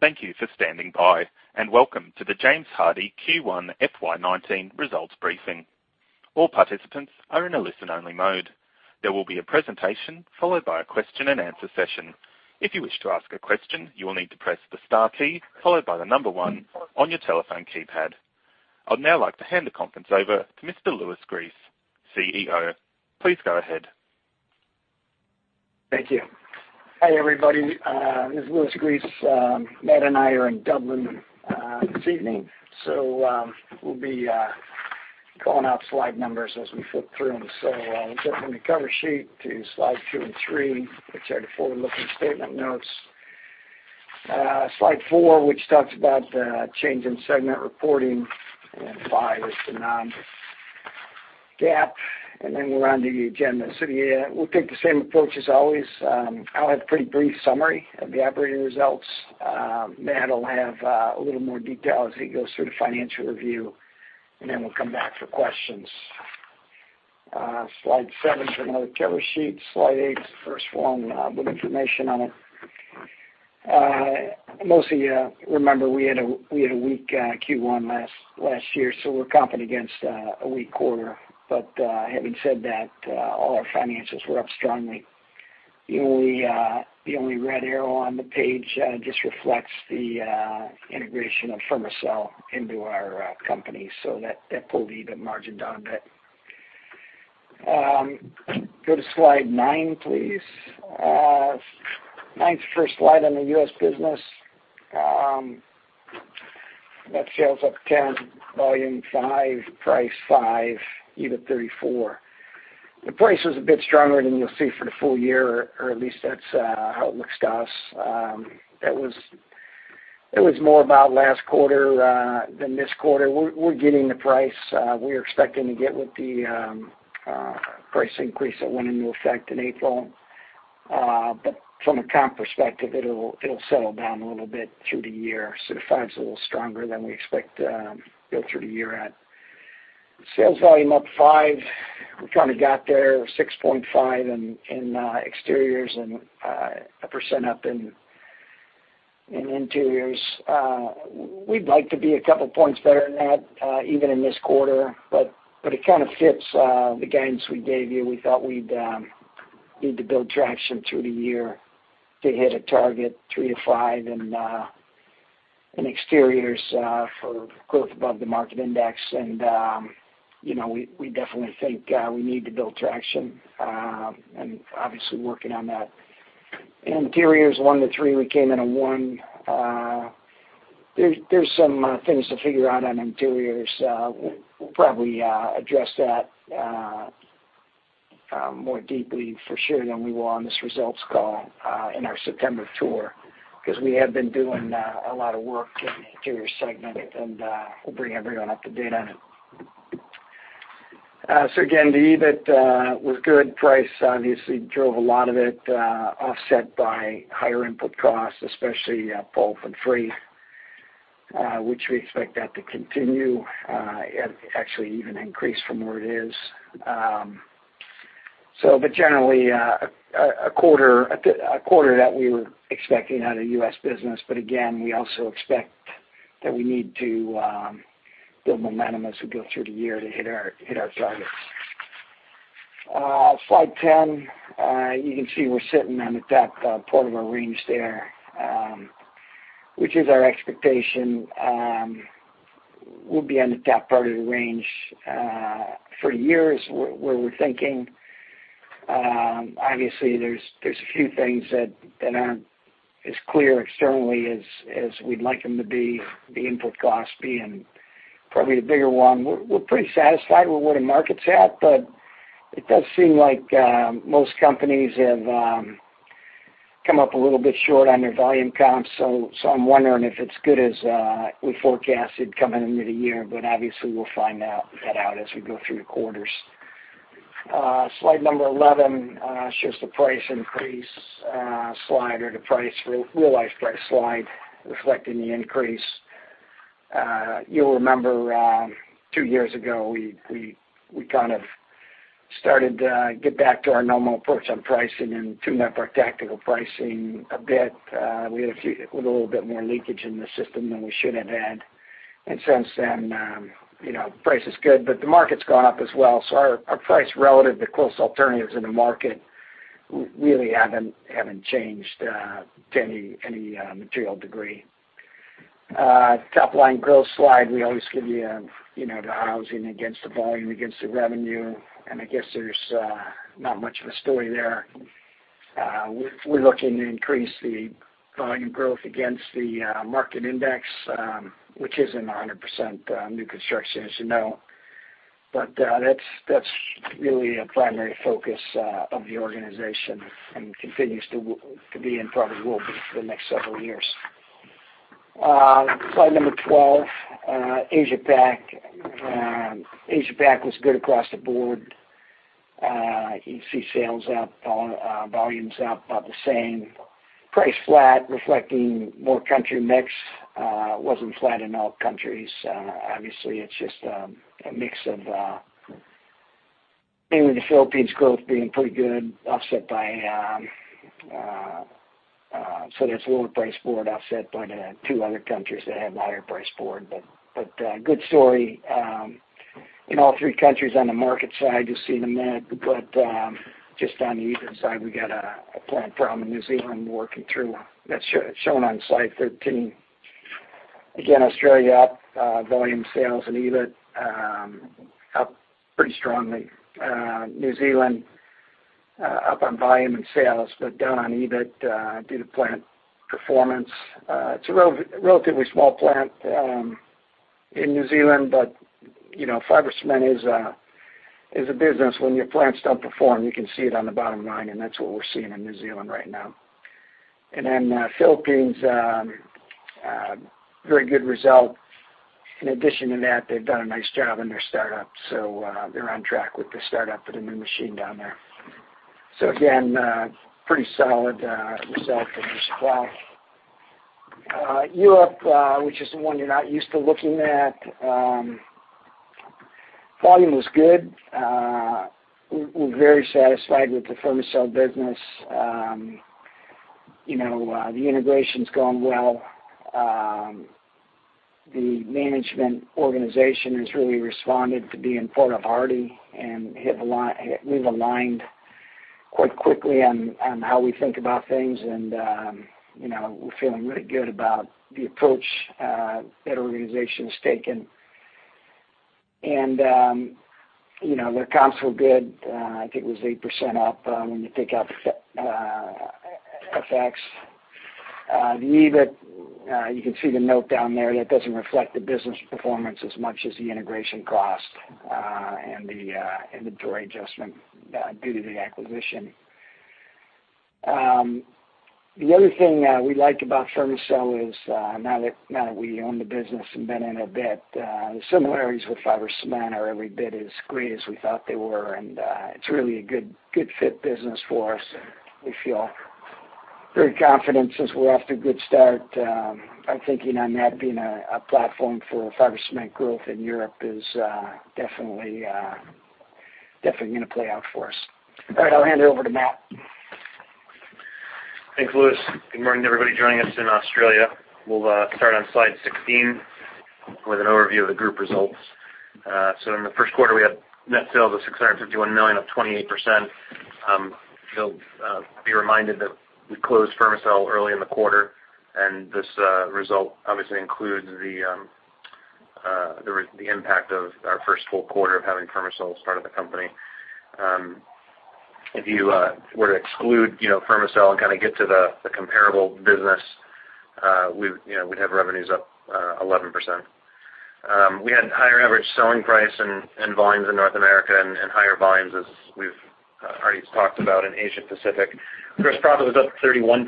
Thank you for standing by, and welcome to the James Hardie Q1 FY 2019 Results Briefing. All participants are in a listen-only mode. There will be a presentation followed by a question-and-answer session. If you wish to ask a question, you will need to press the star key followed by the number one on your telephone keypad. I'd now like to hand the conference over to Mr. Louis Gries, CEO. Please go ahead. Thank you. Hi, everybody, this is Louis Gries. Matt and I are in Dublin, this evening, so we'll be calling out slide numbers as we flip through them. So we're starting from the cover sheet to slide two and three, which are the forward-looking statement notes. Slide four, which talks about the change in segment reporting, and five is the non-GAAP, and then we're on to the agenda. So yeah, we'll take the same approach as always. I'll have a pretty brief summary of the operating results. Matt will have a little more detail as he goes through the financial review, and then we'll come back for questions. Slide seven is another cover sheet. Slide eight is the first one with information on it. Most of you remember, we had a weak Q1 last year, so we're competing against a weak quarter, but having said that, all our finances were up strongly. The only red arrow on the page just reflects the integration of Fermacell into our company, so that pulled the margin down a bit. Go to slide nine, please. Nine's the first slide on the U.S. business. Net sales up 10%, volume 5%, price 5%, EBIT 34%. The price is a bit stronger than you'll see for the full year, or at least that's how it looks to us. It was more about last quarter than this quarter. We're getting the price we're expecting to get with the price increase that went into effect in April. But from a comp perspective, it'll settle down a little bit through the year. So the 5% is a little stronger than we expect to go through the year at. Sales volume up 5%. We kind of got there, 6.5% in exteriors and 1% up in interiors. We'd like to be a couple points better than that, even in this quarter, but it kind of fits the guidance we gave you. We thought we'd need to build traction through the year to hit a target 3%-5% in exteriors for growth above the market index. You know, we definitely think we need to build traction, and obviously working on that. Interiors, one to three, we came in at one. There's some things to figure out on interiors. We'll probably address that more deeply for sure than we will on this results call, in our September tour, because we have been doing a lot of work in the interior segment, and we'll bring everyone up to date on it. So again, the EBIT was good. Price obviously drove a lot of it, offset by higher input costs, especially pulp and freight, which we expect that to continue, and actually even increase from where it is. So, but generally, a quarter that we were expecting out of U.S. business. But again, we also expect that we need to build momentum as we go through the year to hit our targets. Slide 10, you can see we're sitting on the top part of our range there, which is our expectation. We'll be on the top part of the range for years where we're thinking. Obviously, there's a few things that aren't as clear externally as we'd like them to be, the input costs being probably the bigger one. We're pretty satisfied with where the market's at, but it does seem like most companies have come up a little bit short on their volume comps. So I'm wondering if it's as good as we forecasted coming into the year, but obviously, we'll find that out as we go through the quarters. Slide number 11 shows the price increase, the realized price slide, reflecting the increase. You'll remember two years ago, we kind of started to get back to our normal approach on pricing and tune up our tactical pricing a bit. We had a few, a little bit more leakage in the system than we should have had. Since then, you know, price is good, but the market's gone up as well. So our price relative to close alternatives in the market really haven't changed to any material degree. Top-line growth slide, we always give you, you know, the housing against the volume, against the revenue, and I guess there's not much of a story there. We're looking to increase the volume growth against the market index, which isn't 100% new construction, as you know. But that's really a primary focus of the organization and continues to be and probably will be for the next several years. Slide number 12, Asia Pac. Asia Pac was good across the board. You see sales up, volumes up about the same. Price flat, reflecting more country mix, wasn't flat in all countries. Obviously, it's just a mix of, and with the Philippines growth being pretty good, offset by so there's a lower price board offset by the two other countries that have a higher price board. But good story in all three countries on the market side, you'll see in a minute. But, just on the EBIT side, we got a plant problem in New Zealand we're working through. That's shown on slide thirteen. Again, Australia up, volume sales and EBIT, up pretty strongly. New Zealand, up on volume and sales, but down on EBIT, due to plant performance. It's a relatively small plant, in New Zealand, but, you know, fiber cement is a business when your plants don't perform, you can see it on the bottom line, and that's what we're seeing in New Zealand right now. Then, Philippines, very good result. In addition to that, they've done a nice job on their startup, so, they're on track with the startup of the new machine down there. So again, pretty solid, result from the supply. Europe, which is the one you're not used to looking at, volume was good. We're very satisfied with the Fermacell business. You know, the integration's going well. The management organization has really responded to being part of Hardie and have aligned. We've aligned quite quickly on how we think about things, and, you know, we're feeling really good about the approach that organization has taken. You know, their comps were good. I think it was 8% up when you take out FX. The EBIT, you can see the note down there, that doesn't reflect the business performance as much as the integration cost and the inventory adjustment due to the acquisition. The other thing we like about Fermacell is, now that we own the business and been in it a bit, the similarities with fiber cement are every bit as great as we thought they were, and it's really a good, good fit business for us. We feel very confident since we're off to a good start. I'm thinking that being a platform for fiber cement growth in Europe is definitely, definitely gonna play out for us. All right, I'll hand it over to Matt. Thanks, Louis. Good morning to everybody joining us in Australia. We'll start on slide 16 with an overview of the group results. So in the first quarter, we had net sales of $651 million, up 28%. You'll be reminded that we closed Fermacell early in the quarter, and this result obviously includes the impact of our first full quarter of having Fermacell as part of the company. If you were to exclude, you know, Fermacell and kind of get to the comparable business, we, you know, we'd have revenues up 11%. We had higher average selling price and volumes in North America and higher volumes, as we've already talked about in Asia Pacific. Gross profit was up 31%.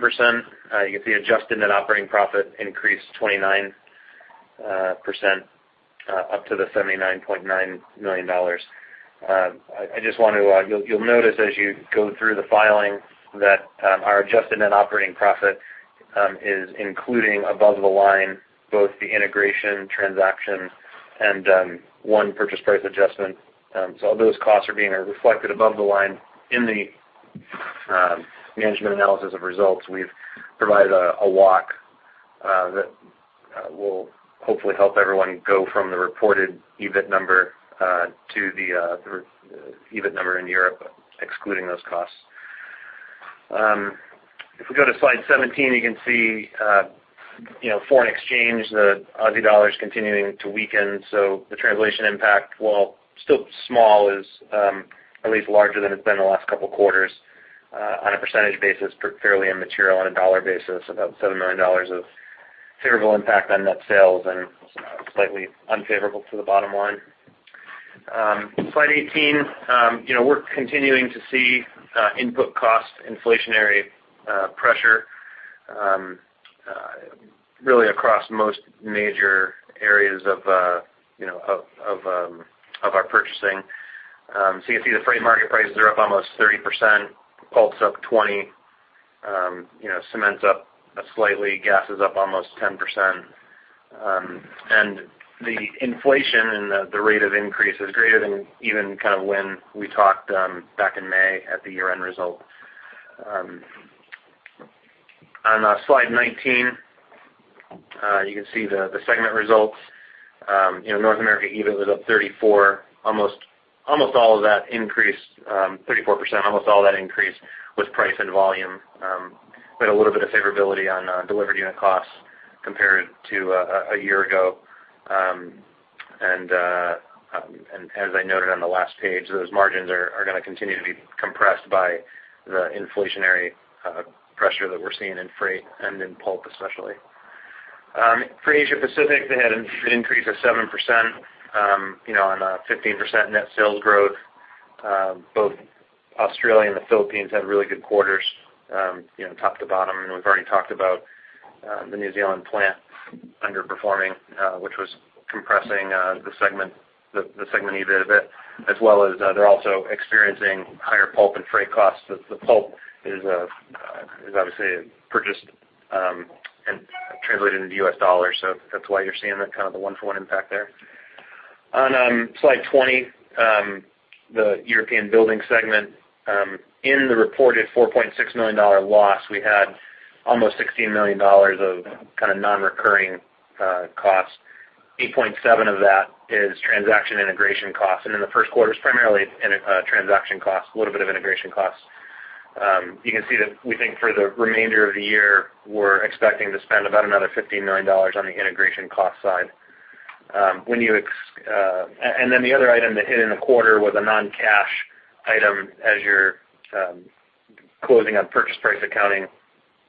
You can see adjusted net operating profit increased 29%, up to $79.9 million. I just want to... You'll notice as you go through the filings, that our adjusted net operating profit is including above the line, both the integration transaction and one purchase price adjustment. So all those costs are being reflected above the line. In the management analysis of results, we've provided a walk that will hopefully help everyone go from the reported EBIT number to the EBIT number in Europe, excluding those costs. If we go to slide 17, you can see, you know, foreign exchange, the Aussie dollar is continuing to weaken, so the translation impact, while still small, is at least larger than it's been the last couple quarters. On a percentage basis, fairly immaterial. On a dollar basis, about $7 million of favorable impact on net sales and slightly unfavorable to the bottom line. Slide 18, you know, we're continuing to see input cost inflationary pressure really across most major areas of you know, of our purchasing. So you can see the freight market prices are up almost 30%, pulp's up 20%, you know, cement's up slightly, gas is up almost 10%. The inflation and the rate of increase is greater than even kind of when we talked back in May at the year-end result. On slide 19, you can see the segment results. You know, North America EBIT was up 34%. Almost all of that increase, 34%, was price and volume. We had a little bit of favorability on delivered unit costs compared to a year ago, and as I noted on the last page, those margins are gonna continue to be compressed by the inflationary pressure that we're seeing in freight and in pulp, especially. For Asia Pacific, they had an EBIT increase of 7%, you know, on 15% net sales growth. Both Australia and the Philippines had really good quarters, you know, top to bottom, and we've already talked about the New Zealand plant underperforming, which was compressing the segment EBIT a bit, as well as they're also experiencing higher pulp and freight costs. The pulp is obviously purchased, translated into U.S. dollars, so that's why you're seeing that kind of the one-for-one impact there. On slide 20, the European building segment, in the reported $4.6 million loss, we had almost $16 million of kind of non-recurring costs. 8.7 of that is transaction integration costs, and in the first quarter, it's primarily in transaction costs, a little bit of integration costs. You can see that we think for the remainder of the year, we're expecting to spend about another $15 million on the integration cost side. When you ex- and then the other item that hit in the quarter was a non-cash item. As you're closing on purchase price accounting,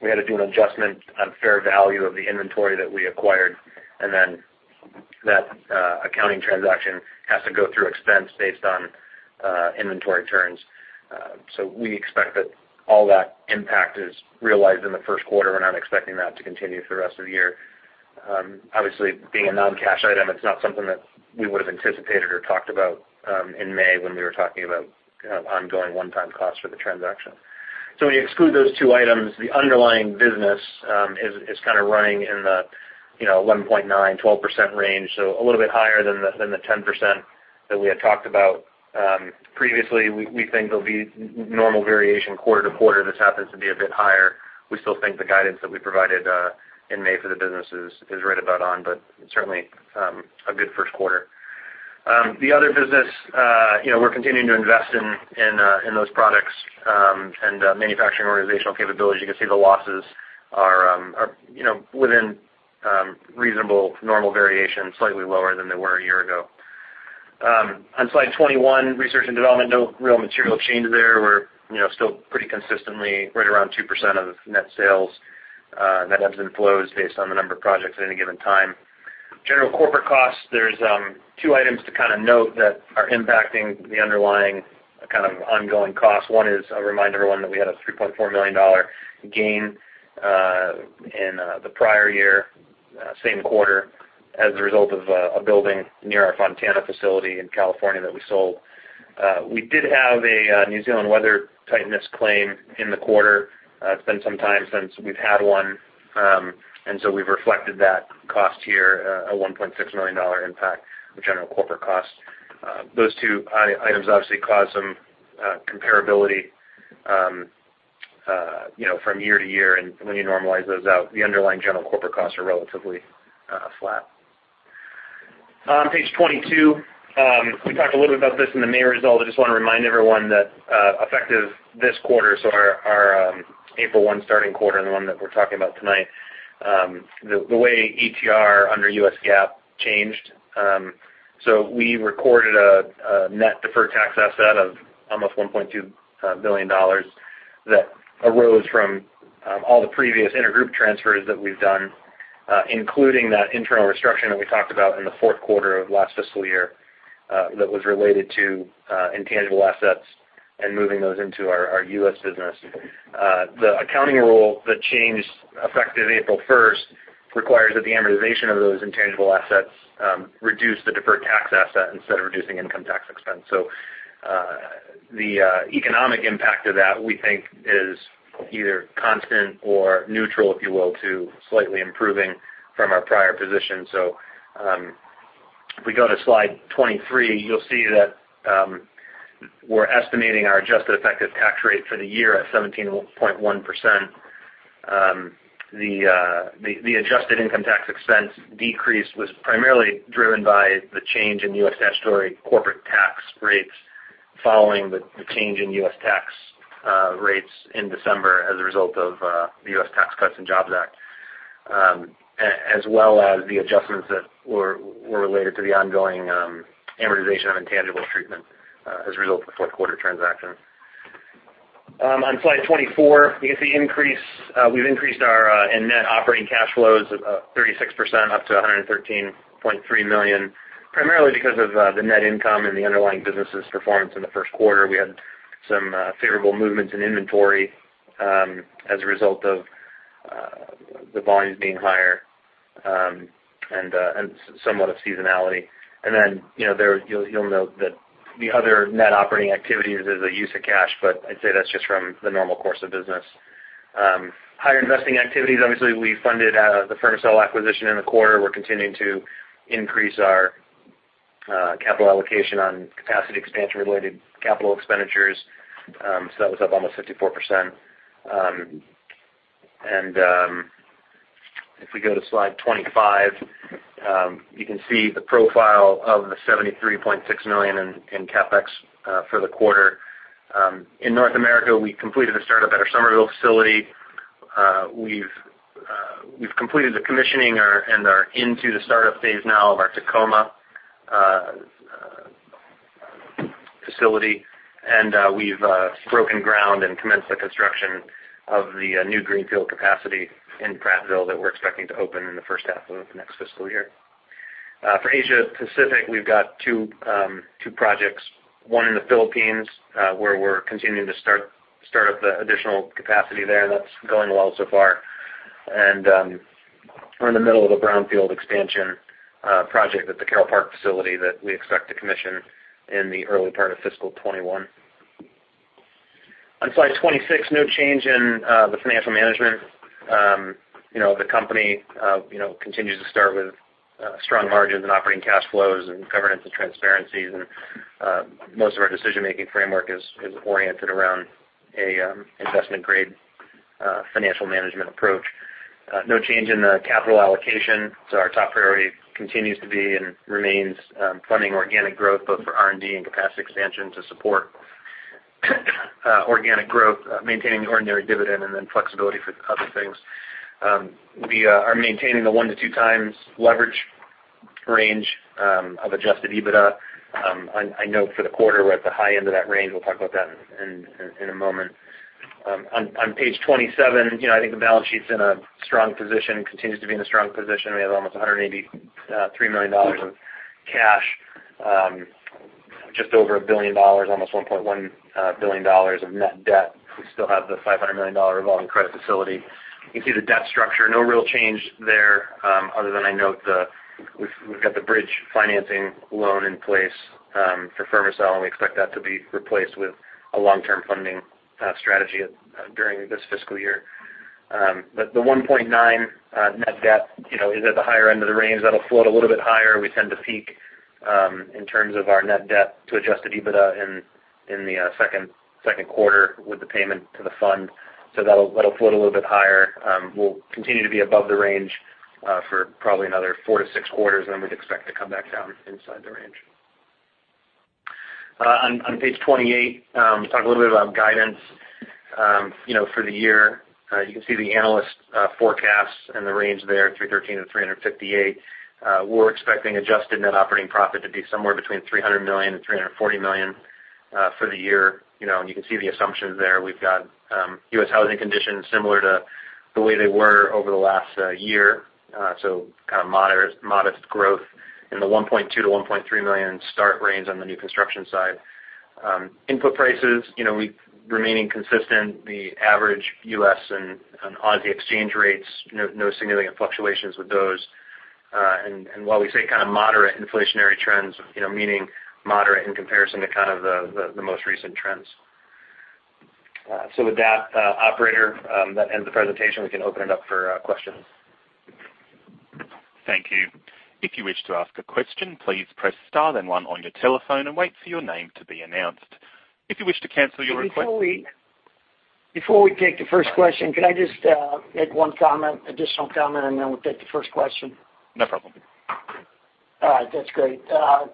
we had to do an adjustment on fair value of the inventory that we acquired, and then that accounting transaction has to go through expense based on inventory turns. So we expect that all that impact is realized in the first quarter. We're not expecting that to continue through the rest of the year. Obviously, being a non-cash item, it's not something that we would have anticipated or talked about in May when we were talking about ongoing one-time costs for the transaction. So when you exclude those two items, the underlying business is kind of running in the you know 1.9%-12% range, so a little bit higher than the 10% that we had talked about. Previously, we, we think there'll be normal variation quarter-to-quarter. This happens to be a bit higher. We still think the guidance that we provided in May for the business is, is right about on, but certainly a good first quarter. The other business, you know, we're continuing to invest in, in, in those products and manufacturing organizational capabilities. You can see the losses are, are, you know, within reasonable normal variation, slightly lower than they were a year ago. On slide 21, research and development, no real material change there. We're, you know, still pretty consistently right around 2% of net sales, net ebbs and flows based on the number of projects at any given time. General Corporate Costs, there's two items to kind of note that are impacting the underlying kind of ongoing costs. One is a reminder, one, that we had a $3.4 million gain in the prior year, same quarter, as a result of a building near our Fontana facility in California that we sold. We did have a New Zealand weather tightness claim in the quarter. It's been some time since we've had one, and so we've reflected that cost here, a $1.6 million impact in General Corporate Costs. Those two items obviously cause some comparability, you know, from year-to-year, and when you normalize those out, the underlying General Corporate Costs are relatively flat. On page 22, we talked a little bit about this in the May result. I just want to remind everyone that, effective this quarter, so our April 1 starting quarter, and the one that we're talking about tonight, the way ETR under U.S. GAAP changed. So we recorded a net deferred tax asset of almost $1.2 billion that arose from all the previous intergroup transfers that we've done, including that internal restructure that we talked about in the fourth quarter of last fiscal year, that was related to intangible assets and moving those into our U.S. business. The accounting rule that changed, effective April 1, requires that the amortization of those intangible assets reduce the deferred tax asset instead of reducing income tax expense. The economic impact of that, we think, is either constant or neutral, if you will, to slightly improving from our prior position. If we go to slide 23, you'll see that we're estimating our adjusted effective tax rate for the year at 17.1%. The adjusted income tax expense decrease was primarily driven by the change in U.S. statutory corporate tax rates following the change in U.S. tax rates in December as a result of the U.S. Tax Cuts and Jobs Act, as well as the adjustments that were related to the ongoing amortization of intangible treatment as a result of the fourth quarter transaction. On slide 24, you can see increase. We've increased our net operating cash flows 36%, up to $113.3 million, primarily because of the net income and the underlying business's performance in the first quarter. We had some favorable movements in inventory, as a result of the volumes being higher, and somewhat of seasonality. Then, you know, there, you'll note that the other net operating activities is a use of cash, but I'd say that's just from the normal course of business. Higher investing activities, obviously, we funded the Fermacell acquisition in the quarter. We're continuing to increase our capital allocation on capacity expansion-related capital expenditures. So that was up almost 54%. If we go to slide 25, you can see the profile of the $73.6 million in CapEx for the quarter. In North America, we completed the startup at our Summerville facility. We've completed the commissioning and are into the startup phase now of our Tacoma facility, and we've broken ground and commenced the construction of the new greenfield capacity in Prattville that we're expecting to open in the first half of the next fiscal year. For Asia Pacific, we've got two projects, one in the Philippines, where we're continuing to start up the additional capacity there, and that's going well so far. We're in the middle of a brownfield expansion project at the Carroll Park facility that we expect to commission in the early part of fiscal 2021. On slide 26, no change in the financial management. You know, the company continues to start with strong margins and operating cash flows and governance and transparencies, and most of our decision-making framework is oriented around a investment-grade financial management approach. No change in the capital allocation, so our top priority continues to be and remains funding organic growth, both for R&D and capacity expansion to support organic growth, maintaining the ordinary dividend and then flexibility for other things. We are maintaining the one to two times leverage range of adjusted EBITDA. I know for the quarter, we're at the high end of that range. We'll talk about that in a moment. On page 27, you know, I think the balance sheet's in a strong position, continues to be in a strong position. We have almost $183 million of cash, just over $1 billion, almost $1.1 billion of net debt. We still have the $500 million revolving credit facility. You can see the debt structure, no real change there, other than I note we've got the bridge financing loan in place for Fermacell, and we expect that to be replaced with a long-term funding strategy during this fiscal year. But the 1.9 net debt, you know, is at the higher end of the range. That'll float a little bit higher. We tend to peak in terms of our net debt to Adjusted EBITDA in the second quarter with the payment to the fund. So that'll float a little bit higher. We'll continue to be above the range for probably another four to six quarters, and then we'd expect to come back down inside the range. On page 28, talk a little bit about guidance. You know, for the year, you can see the analyst forecasts and the range there, 313 and 358. We're expecting Adjusted Net Operating Profit to be somewhere between $300 million and $340 million for the year. You know, and you can see the assumptions there. We've got U.S. housing conditions similar to the way they were over the last year. So kind of moderate, modest growth in the $1.2-$1.3 million start range on the new construction side. Input prices, you know, we remaining consistent, the average U.S. and Aussie exchange rates, no significant fluctuations with those. While we say kind of moderate inflationary trends, you know, meaning moderate in comparison to kind of the most recent trends. So with that, operator, that ends the presentation. We can open it up for questions. Thank you. If you wish to ask a question, please press star then one on your telephone and wait for your name to be announced. If you wish to cancel your request- Before we take the first question, can I just make one additional comment, and then we'll take the first question? No problem. All right, that's great.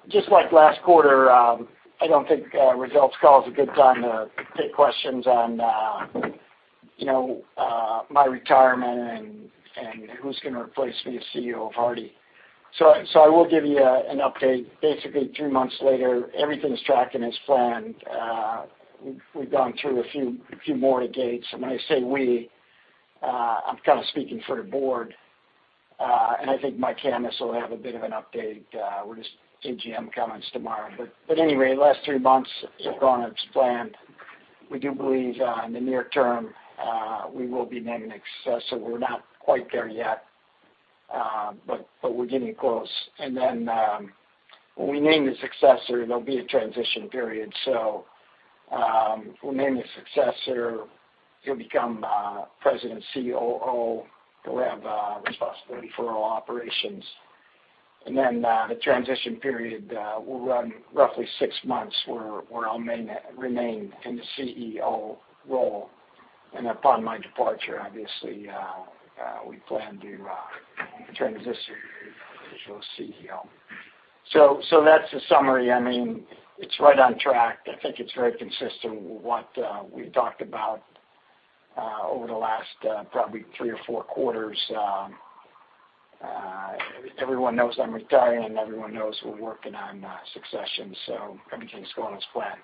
Just like last quarter, I don't think results call is a good time to take questions on, you know, my retirement and who's gonna replace me as CEO of Hardie. So I will give you an update. Basically, three months later, everything is tracking as planned. We've gone through a few more gates. When I say we, I'm kind of speaking for the board, and I think Mike Hammes will have a bit of an update with his AGM comments tomorrow. But anyway, last three months have gone as planned. We do believe in the near term we will be naming a successor. We're not quite there yet, but we're getting close. Then, when we name the successor, there'll be a transition period. So, we'll name the successor. He'll become President and COO. He'll have responsibility for all operations, and then, the transition period will run roughly six months, where I'll remain in the CEO role. Upon my departure, obviously, we plan to transition to a CEO. So that's the summary. I mean, it's right on track. I think it's very consistent with what we've talked about over the last probably three or four quarters. Everyone knows I'm retiring, and everyone knows we're working on succession, so everything's going as planned.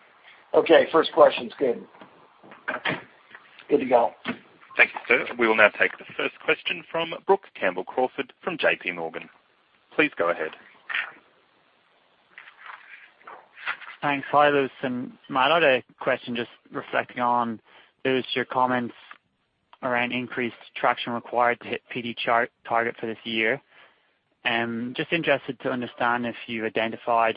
Okay, first question is good. Good to go. Thank you, sir. We will now take the first question from Brook Campbell-Crawford from JP Morgan. Please go ahead. Thanks. Hi, Louis and Matt. I had a question just reflecting on Louis, your comments around increased traction required to hit PDG target for this year, and just interested to understand if you identified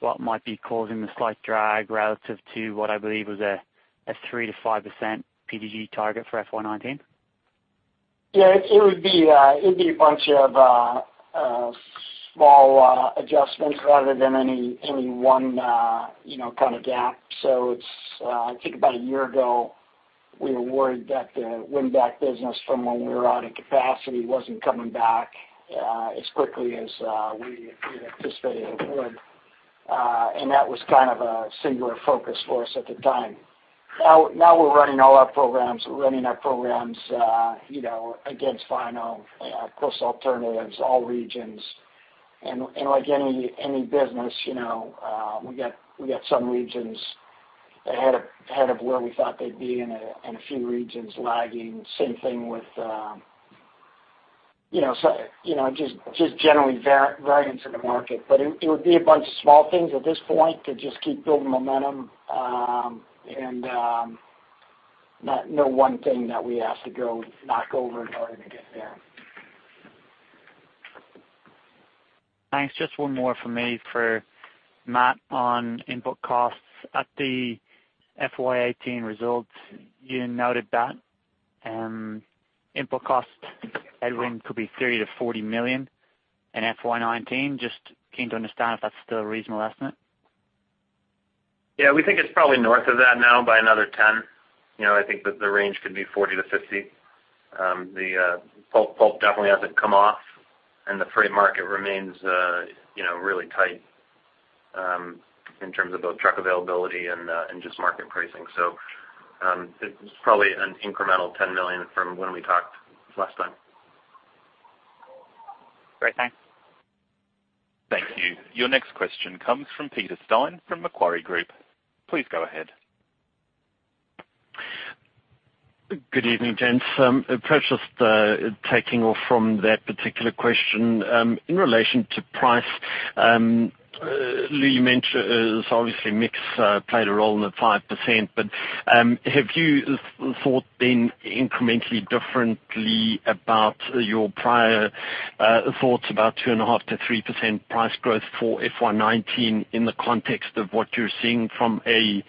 what might be causing the slight drag relative to what I believe was a 3%-5% PDG target for FY 2019. Yeah, it would be a bunch of small adjustments rather than any one you know kind of gap. So it's I think about a year ago, we were worried that the win-back business from when we were out of capacity wasn't coming back as quickly as we anticipated it would and that was kind of a singular focus for us at the time. Now we're running all our programs you know against final close alternatives, all regions and like any business, you know we got some regions ahead of where we thought they'd be and a few regions lagging. Same thing with you know so, you know just generally variance in the market. But it would be a bunch of small things at this point to just keep building momentum, and no one thing that we have to go knock over in order to get there. Thanks. Just one more for me for Matt on input costs. At the FY 2018 results, you noted that input costs headroom could be $30-$40 million in FY 2019. Just keen to understand if that's still a reasonable estimate? Yeah, we think it's probably north of that now by another $10 million. You know, I think that the range could be $40-$50 million. The pulp definitely hasn't come off, and the freight market remains, you know, really tight in terms of both truck availability and just market pricing. So, it's probably an incremental $10 million from when we talked last time. Great, thanks. Thank you. Your next question comes from Peter Steyn from Macquarie Group. Please go ahead. Good evening, gents. Perhaps just taking off from that particular question, in relation to price, Lou, you mentioned obviously mix played a role in the 5%, but have you thought then incrementally differently about your prior thoughts about 2.5%-3% price growth for FY 2019 in the context of what you're seeing from a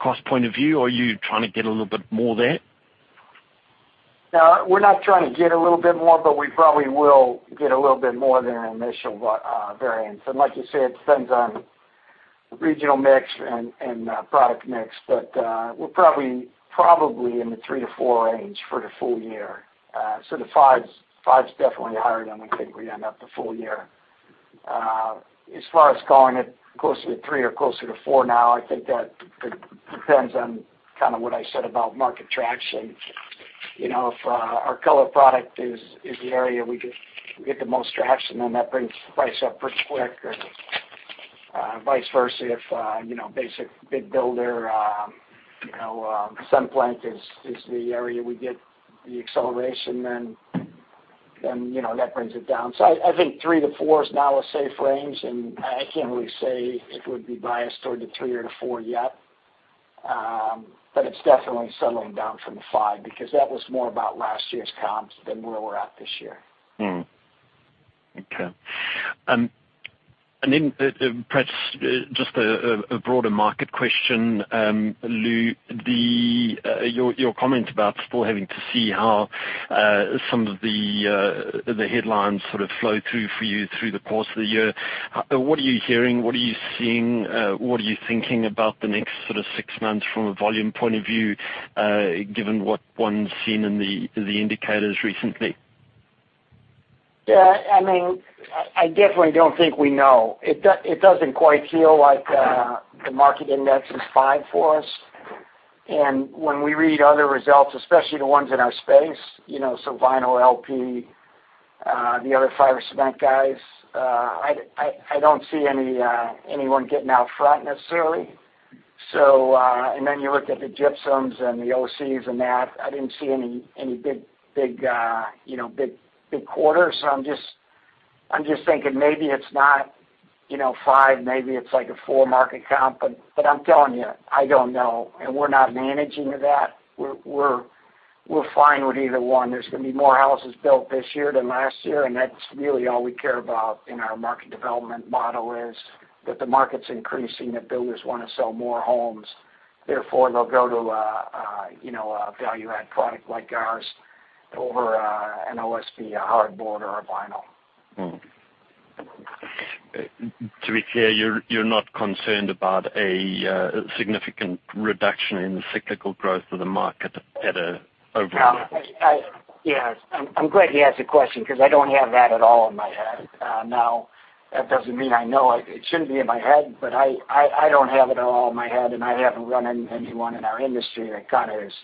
cost point of view, or are you trying to get a little bit more there? No, we're not trying to get a little bit more, but we probably will get a little bit more than our initial variance, and like you said, it depends on regional mix and product mix, but we're probably in the three to four range for the full year, so the five's definitely higher than we think we end up the full year. As far as calling it closer to three or closer to four now, I think that depends on kind of what I said about market traction. You know, if our color product is the area we get the most traction, then that brings price up pretty quick, or vice versa, if you know basic big builder, you know, HardiePlank is the area we get the acceleration, then you know, that brings it down. So I think three to four is now a safe range, and I can't really say it would be biased toward the three or the four yet, but it's definitely settling down from the five, because that was more about last year's comps than where we're at this year. Okay. Then, perhaps, just a broader market question, Lou, your comment about still having to see how some of the headlines sort of flow through for you through the course of the year, what are you hearing? What are you seeing? What are you thinking about the next sort of six months from a volume point of view, given what one's seen in the indicators recently? Yeah, I mean, I definitely don't think we know. It doesn't quite feel like the market index is five for us, and when we read other results, especially the ones in our space, you know, so vinyl, LP, the other fiber cement guys, I don't see anyone getting out front necessarily. Then you look at the gypsums and the OCs and that, I didn't see any big quarters. So I'm just thinking maybe it's not, you know, five, maybe it's like a four market comp. But I'm telling you, I don't know, and we're not managing to that. We're fine with either one. There's gonna be more houses built this year than last year, and that's really all we care about in our market development model is that the market's increasing, that builders wanna sell more homes. Therefore, they'll go to a you know a value-add product like ours over an OSB, a hardboard or a vinyl. To be clear, you're not concerned about a significant reduction in the cyclical growth of the market at all overall? No. Yeah, I'm glad you asked the question, 'cause I don't have that at all in my head. Now, that doesn't mean I know it. It shouldn't be in my head, but I don't have it at all in my head, and I haven't run into anyone in our industry that kind of is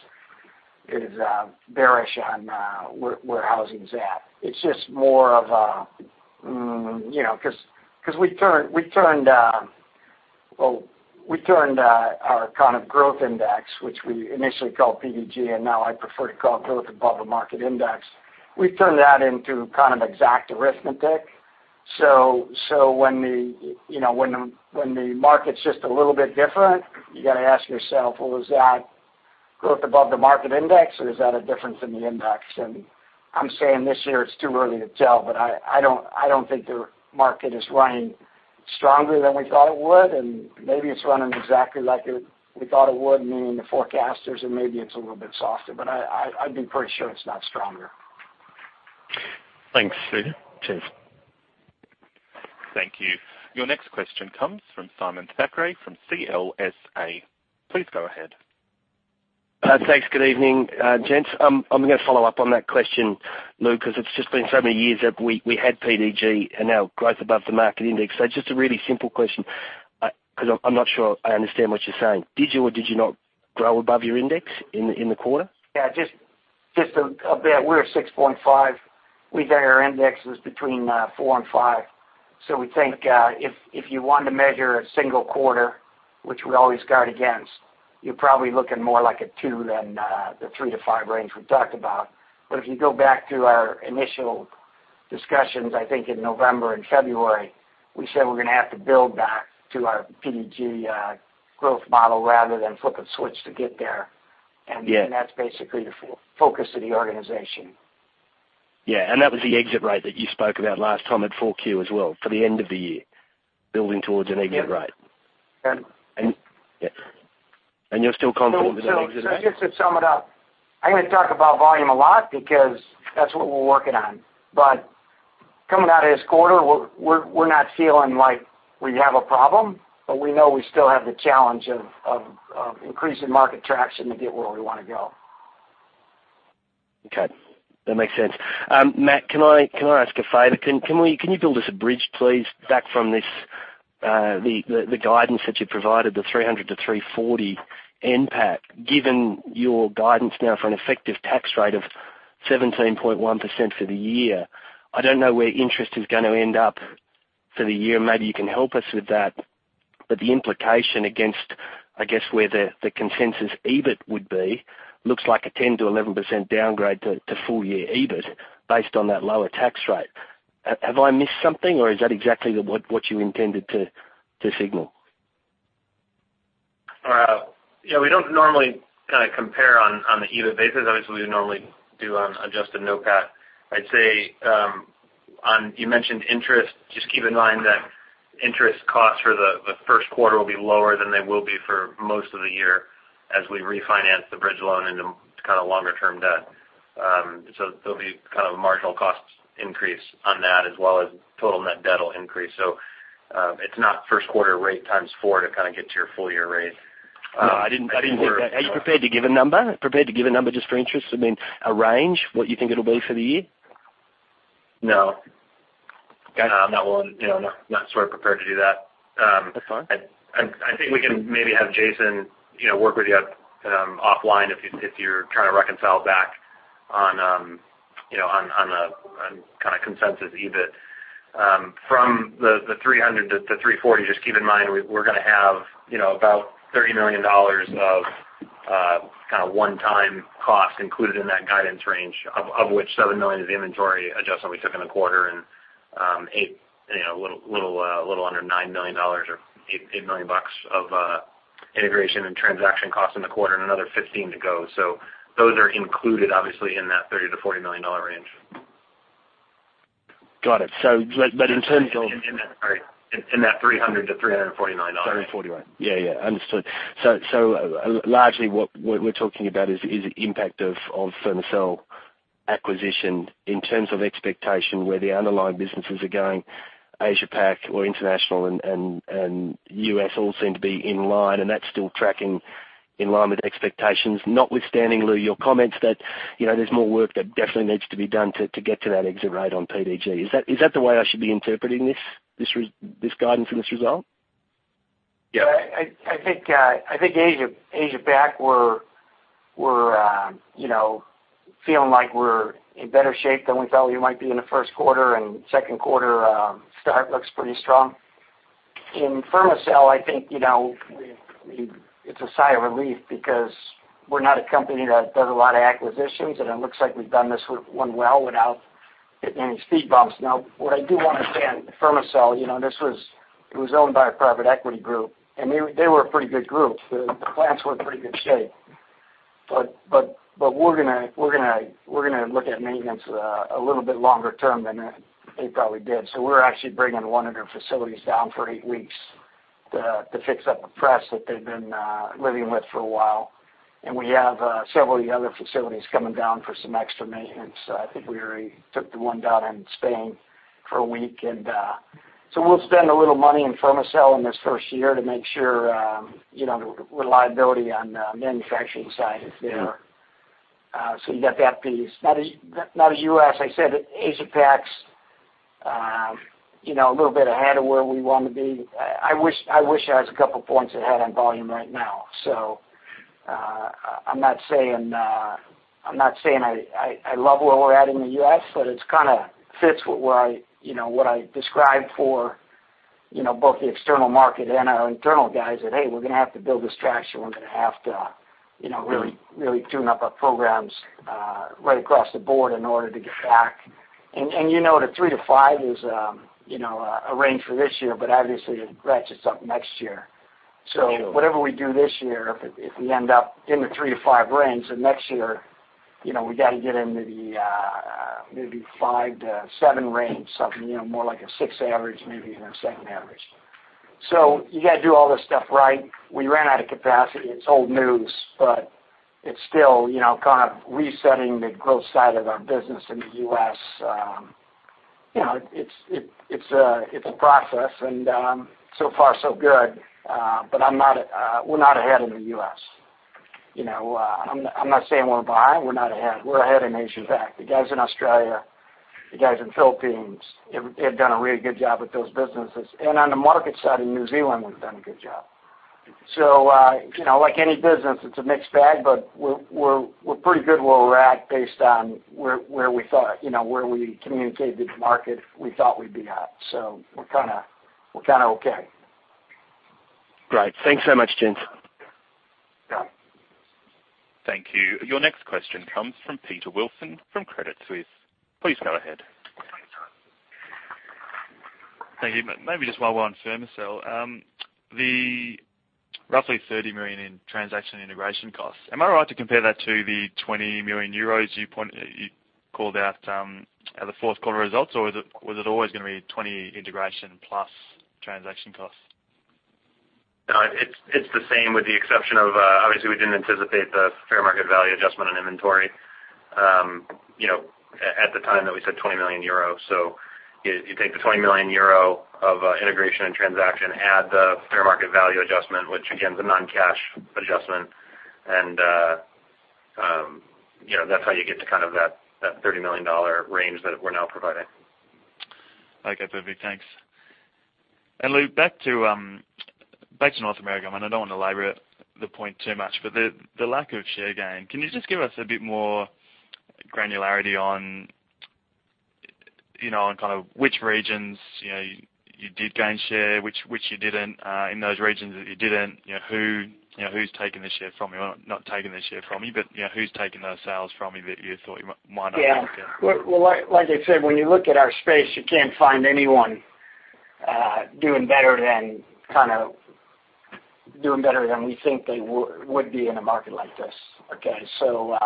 bearish on where housing's at. It's just more of a you know, 'cause we turned our kind of growth index, which we initially called PDG, and now I prefer to call it growth above the market index. We've turned that into kind of exact arithmetic. When you know, when the market's just a little bit different, you gotta ask yourself, "Well, is that growth above the market index, or is that a difference in the index?" I'm saying this year it's too early to tell, but I don't think the market is running stronger than we thought it would, and maybe it's running exactly like we thought it would, meaning the forecasters, and maybe it's a little bit softer. But I'd be pretty sure it's not stronger. Thanks, Lou. Cheers. Thank you. Your next question comes from Simon Thackray from CLSA. Please go ahead. Thanks. Good evening, gents. I'm gonna follow up on that question, Lou, 'cause it's just been so many years that we had PDG and now growth above the market index. So just a really simple question, 'cause I'm not sure I understand what you're saying. Did you or did you not grow above your index in the quarter? Yeah, just a, about -- we're at 6.5%. We think our index was between 4%-5%. So we think, if you want to measure a single quarter, which we always guard against, you're probably looking more like a 2% than the 3%-5% range we've talked about. But if you go back to our initial discussions, I think, in November and February, we said we're gonna have to build back to our PDG growth model rather than flip a switch to get there, and that's basically the focus of the organization. Yeah, and that was the exit rate that you spoke about last time at Q4 as well, for the end of the year, building towards an exit rate. Yep. You're still confident in that exit rate? So just to sum it up, I'm going to talk about volume a lot because that's what we're working on. But coming out of this quarter, we're not feeling like we have a problem, but we know we still have the challenge of increasing market traction to get where we want to go. Okay, that makes sense. Matt, can I ask a favor? Can you build us a bridge, please, back from this, the guidance that you provided, the 300-340 NPAT, given your guidance now for an effective tax rate of 17.1% for the year? I don't know where interest is going to end up for the year. Maybe you can help us with that. But the implication against, I guess, where the consensus EBIT would be, looks like a 10%-11% downgrade to full year EBIT based on that lower tax rate. Have I missed something, or is that exactly what you intended to signal? Yeah, we don't normally kind of compare on the EBIT basis. Obviously, we normally do on adjusted NOPAT. I'd say on. You mentioned interest, just keep in mind that interest costs for the first quarter will be lower than they will be for most of the year as we refinance the bridge loan into kind of longer-term debt. So, there'll be kind of a marginal cost increase on that, as well as total net debt will increase. So, it's not first quarter rate times four to kind of get to your full year rate. No, I didn't get that. Um, we're- Are you prepared to give a number? Prepared to give a number just for interest, I mean, a range, what you think it'll be for the year? No. Okay. I'm not willing to, you know, I'm not sort of prepared to do that. That's fine. I think we can maybe have Jason, you know, work with you offline if you're trying to reconcile back on, you know, on kind of consensus EBIT. From the $300-$340, just keep in mind, we're gonna have, you know, about $30 million of kind of one-time cost included in that guidance range, of which $7 million is inventory adjustment we took in the quarter and $8 million, you know, a little under $9 million or $8 million bucks of integration and transaction costs in the quarter and another $15 million to go. So those are included, obviously, in that $30-$40 million range. Got it. In terms of- In that $300-$349 range. $349 range. Yeah, yeah, understood. So largely, what we're talking about is the impact of Fermacell acquisition in terms of expectation, where the underlying businesses are going, Asia Pac or International and U.S. all seem to be in line, and that's still tracking in line with expectations, notwithstanding, Lou, your comments that, you know, there's more work that definitely needs to be done to get to that exit rate on PDG. Is that the way I should be interpreting this guidance and this result? Yeah. I think Asia Pac, we're, you know, feeling like we're in better shape than we thought we might be in the first quarter, and second quarter start looks pretty strong. In Fermacell, I think, you know, it's a sigh of relief because we're not a company that does a lot of acquisitions, and it looks like we've done this one well without hitting any speed bumps. Now, what I do want to say on Fermacell, you know, this was owned by a private equity group, and they were a pretty good group. The plants were in pretty good shape, but we're gonna look at maintenance a little bit longer term than they probably did. We're actually bringing one of their facilities down for eight weeks to fix up a press that they've been living with for a while. We have several of the other facilities coming down for some extra maintenance. I think we already took the one down in Spain for a week. We'll spend a little money in Fermacell in this first year to make sure you know the reliability on the manufacturing side is there. So you got that piece. Now the U.S., I said Asia Pac's, you know, a little bit ahead of where we want to be. I wish, I wish I was a couple points ahead on volume right now. So, I'm not saying, I'm not saying I love where we're at in the U.S., but it's kind of fits with where I, you know, what I described for, you know, both the external market and our internal guys that, hey, we're gonna have to build this traction. We're gonna have to, you know, really, really tune up our programs, right across the board in order to get back. You know, the 3-5 is, you know, a range for this year, but obviously it ratchets up next year. Sure. So whatever we do this year, if we end up in the 3-5 range, then next year, you know, we got to get into the maybe 5-7 range, something, you know, more like a six average, maybe even a seven average. So you got to do all this stuff right. We ran out of capacity. It's old news, but it's still, you know, kind of resetting the growth side of our business in the U.S. You know, it's a process, and so far so good. But I'm not, we're not ahead in the U.S. You know, I'm not saying we're behind. We're not ahead. We're ahead in Asia Pac. The guys in Australia, the guys in Philippines, they've done a really good job with those businesses. On the market side in New Zealand, we've done a good job. You know, like any business, it's a mixed bag, but we're pretty good where we're at, based on where we thought, you know, where we communicated to the market, we thought we'd be at. We're kind of okay. Great. Thanks so much, gents. Yeah. Thank you. Your next question comes from Peter Wilson, from Credit Suisse. Please go ahead. Thank you. Maybe just one more on Fermacell. The roughly 30 million in transaction integration costs, am I right to compare that to the 20 million euros you point- you called out at the fourth quarter results, or was it always going to be 20 integration + transaction costs? No, it's the same, with the exception of, obviously, we didn't anticipate the fair market value adjustment on inventory, you know, at the time that we said 20 million euro. So you take the 20 million euro of integration and transaction, add the fair market value adjustment, which again, is a non-cash adjustment, and, you know, that's how you get to kind of that $30 million range that we're now providing. Okay, perfect. Thanks. Lou, back to North America. I mean, I don't want to labor the point too much, but the lack of share gain, can you just give us a bit more granularity on, you know, on kind of which regions, you know, you did gain share, which you didn't? In those regions that you didn't, you know, who, you know, who's taking the share from you, or not taking the share from you, but, you know, who's taking those sales from you that you thought you might not get? Yeah. Well, like I said, when you look at our space, you can't find anyone doing better than we think they would be in a market like this, okay? So,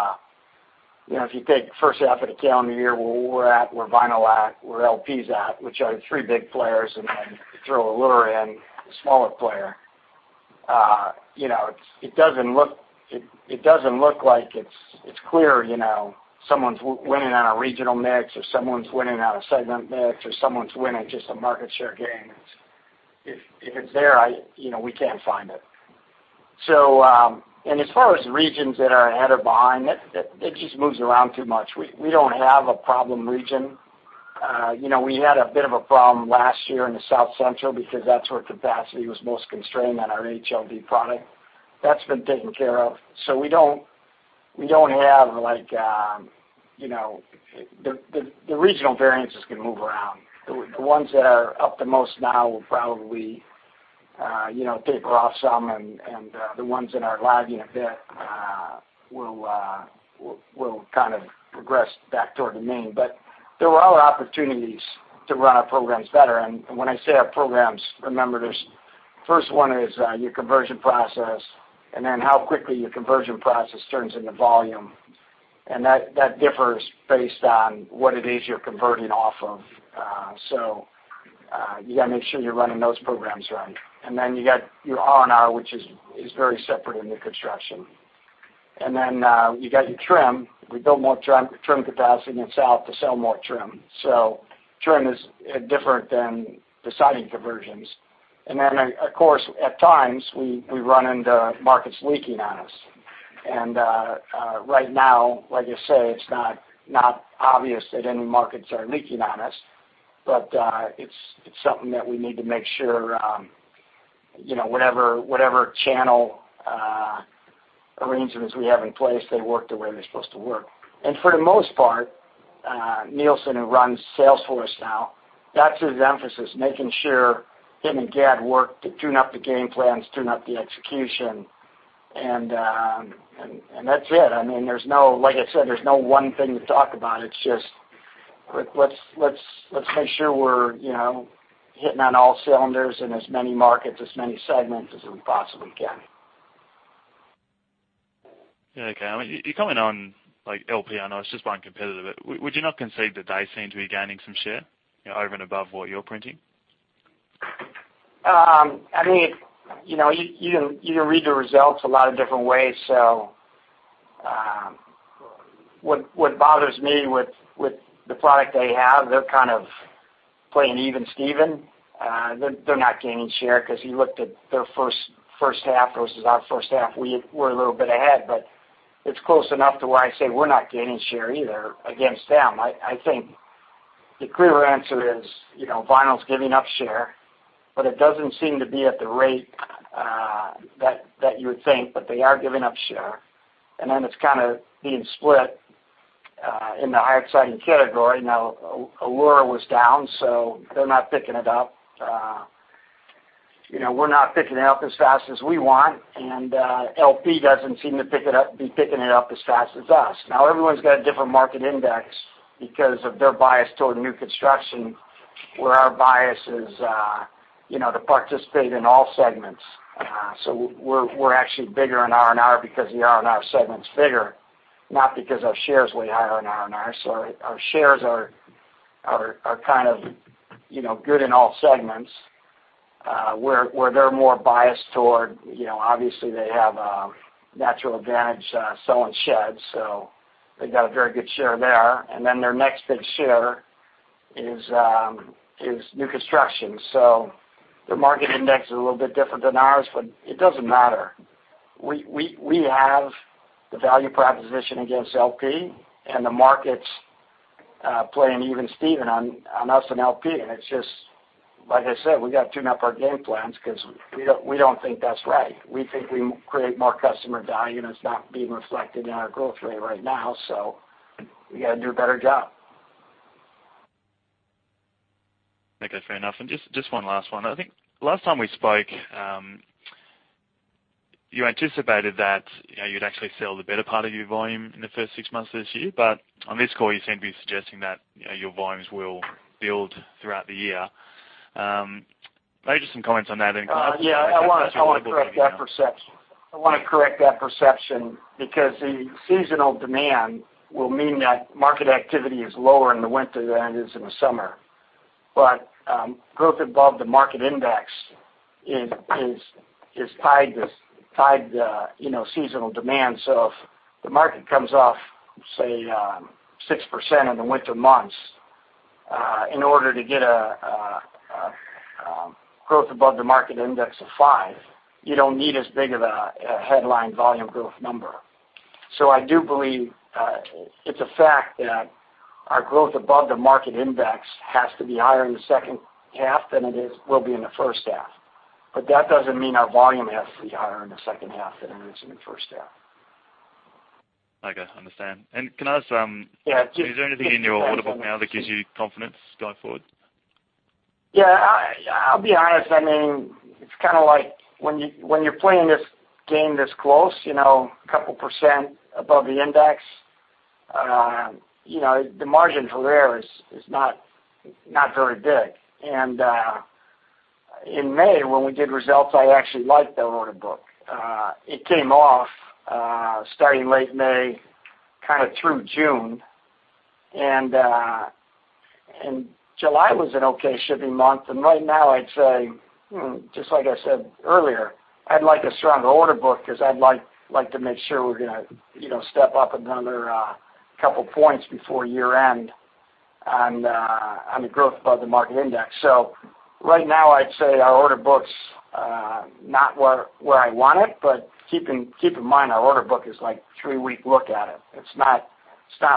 you know, if you take the first half of the calendar year, where we're at, where Vinyl's at, where LP's at, which are the three big players, and then throw Allura in, the smaller player. You know, it doesn't look like it's clear, you know, someone's winning on a regional mix, or someone's winning on a segment mix, or someone's winning just a market share gain. If it's there, you know, we can't find it. So, and as far as regions that are ahead or behind, it just moves around too much. We don't have a problem region. You know, we had a bit of a problem last year in the South Central because that's where capacity was most constrained on our HLD product. That's been taken care of. So we don't have like, you know. The regional variances can move around. The ones that are up the most now will probably, you know, taper off some, and the ones that are lagging a bit will kind of progress back toward the mean. But there are opportunities to run our programs better, and when I say our programs, remember, there's, first one is, your conversion process, and then how quickly your conversion process turns into volume. That differs based on what it is you're converting off of. So, you gotta make sure you're running those programs right. Then you got your R&R, which is very separate in new construction. Then, you got your trim. We built more trim capacity in the south to sell more trim. So trim is different than the siding conversions. Then, of course, at times, we run into markets leaking on us and right now, like I say, it's not obvious that any markets are leaking on us, but it's something that we need to make sure, you know, whatever channel arrangements we have in place, they work the way they're supposed to work. For the most part, Neilson, who runs sales force now, that's his emphasis, making sure him and Gadd work to tune up the game plans, tune up the execution, and that's it. I mean, there's no, like I said, there's no one thing to talk about. It's just, let's make sure we're, you know, hitting on all cylinders in as many markets, as many segments as we possibly can. Yeah, okay. I mean, you're coming on, like LP, I know it's just one competitor, but would you not concede that they seem to be gaining some share, you know, over and above what you're printing? I mean, you know, you can read the results a lot of different ways, so what bothers me with the product they have, they're kind of playing even Steven. They're not gaining share because you looked at their first half versus our first half, we're a little bit ahead, but it's close enough to where I say we're not gaining share either against them. I think the clear answer is, you know, Vinyl's giving up share, but it doesn't seem to be at the rate that you would think, but they are giving up share, and then it's kind of being split in the hard siding category. Now, Allura was down, so they're not picking it up. You know, we're not picking it up as fast as we want, and LP doesn't seem to be picking it up as fast as us. Now, everyone's got a different market index because of their bias toward new construction, where our bias is, you know, to participate in all segments. So we're actually bigger in R&R because the R&R segment's bigger, not because our share is way higher in R&R. So our shares are kind of, you know, good in all segments. Where they're more biased toward, you know, obviously they have a natural advantage, so in sheds, so they've got a very good share there. Then their next big share is new construction. So their market index is a little bit different than ours, but it doesn't matter. We have the value proposition against LP and the market's playing even Steven on us and LP, and it's just, like I said, we gotta tune up our game plans because we don't think that's right. We think we create more customer value, and it's not being reflected in our growth rate right now, so we gotta do a better job. Okay, fair enough, and just, just one last one. I think last time we spoke, you anticipated that, you know, you'd actually sell the better part of your volume in the first six months of this year, but on this call, you seem to be suggesting that, you know, your volumes will build throughout the year. Maybe just some comments on that and- Yeah, I wanna correct that perception. I wanna correct that perception because the seasonal demand will mean that market activity is lower in the winter than it is in the summer. But growth above the market index is tied to you know, seasonal demand. So if the market comes off, say, 6% in the winter months, in order to get a growth above the market index of 5%, you don't need as big of a headline volume growth number. So I do believe it's a fact that our growth above the market index has to be higher in the second half than it will be in the first half. But that doesn't mean our volume has to be higher in the second half than it is in the first half. Okay, understand, and can I ask? Yeah, just- Is there anything in your order book now that gives you confidence going forward? Yeah, I'll be honest. I mean, it's kind of like when you, when you're playing this game this close, you know, a couple percent above the index, you know, the margin for error is not very big. In May, when we did results, I actually liked the order book. It came off, starting late May, kind of through June, and July was an okay shipping month. Right now, I'd say, just like I said earlier, I'd like a stronger order book, 'cause I'd like to make sure we're gonna, you know, step up another couple points before year-end on the growth above the market index. So right now, I'd say our order book's not where I want it, but keep in mind, our order book is like three-week look at it. It's not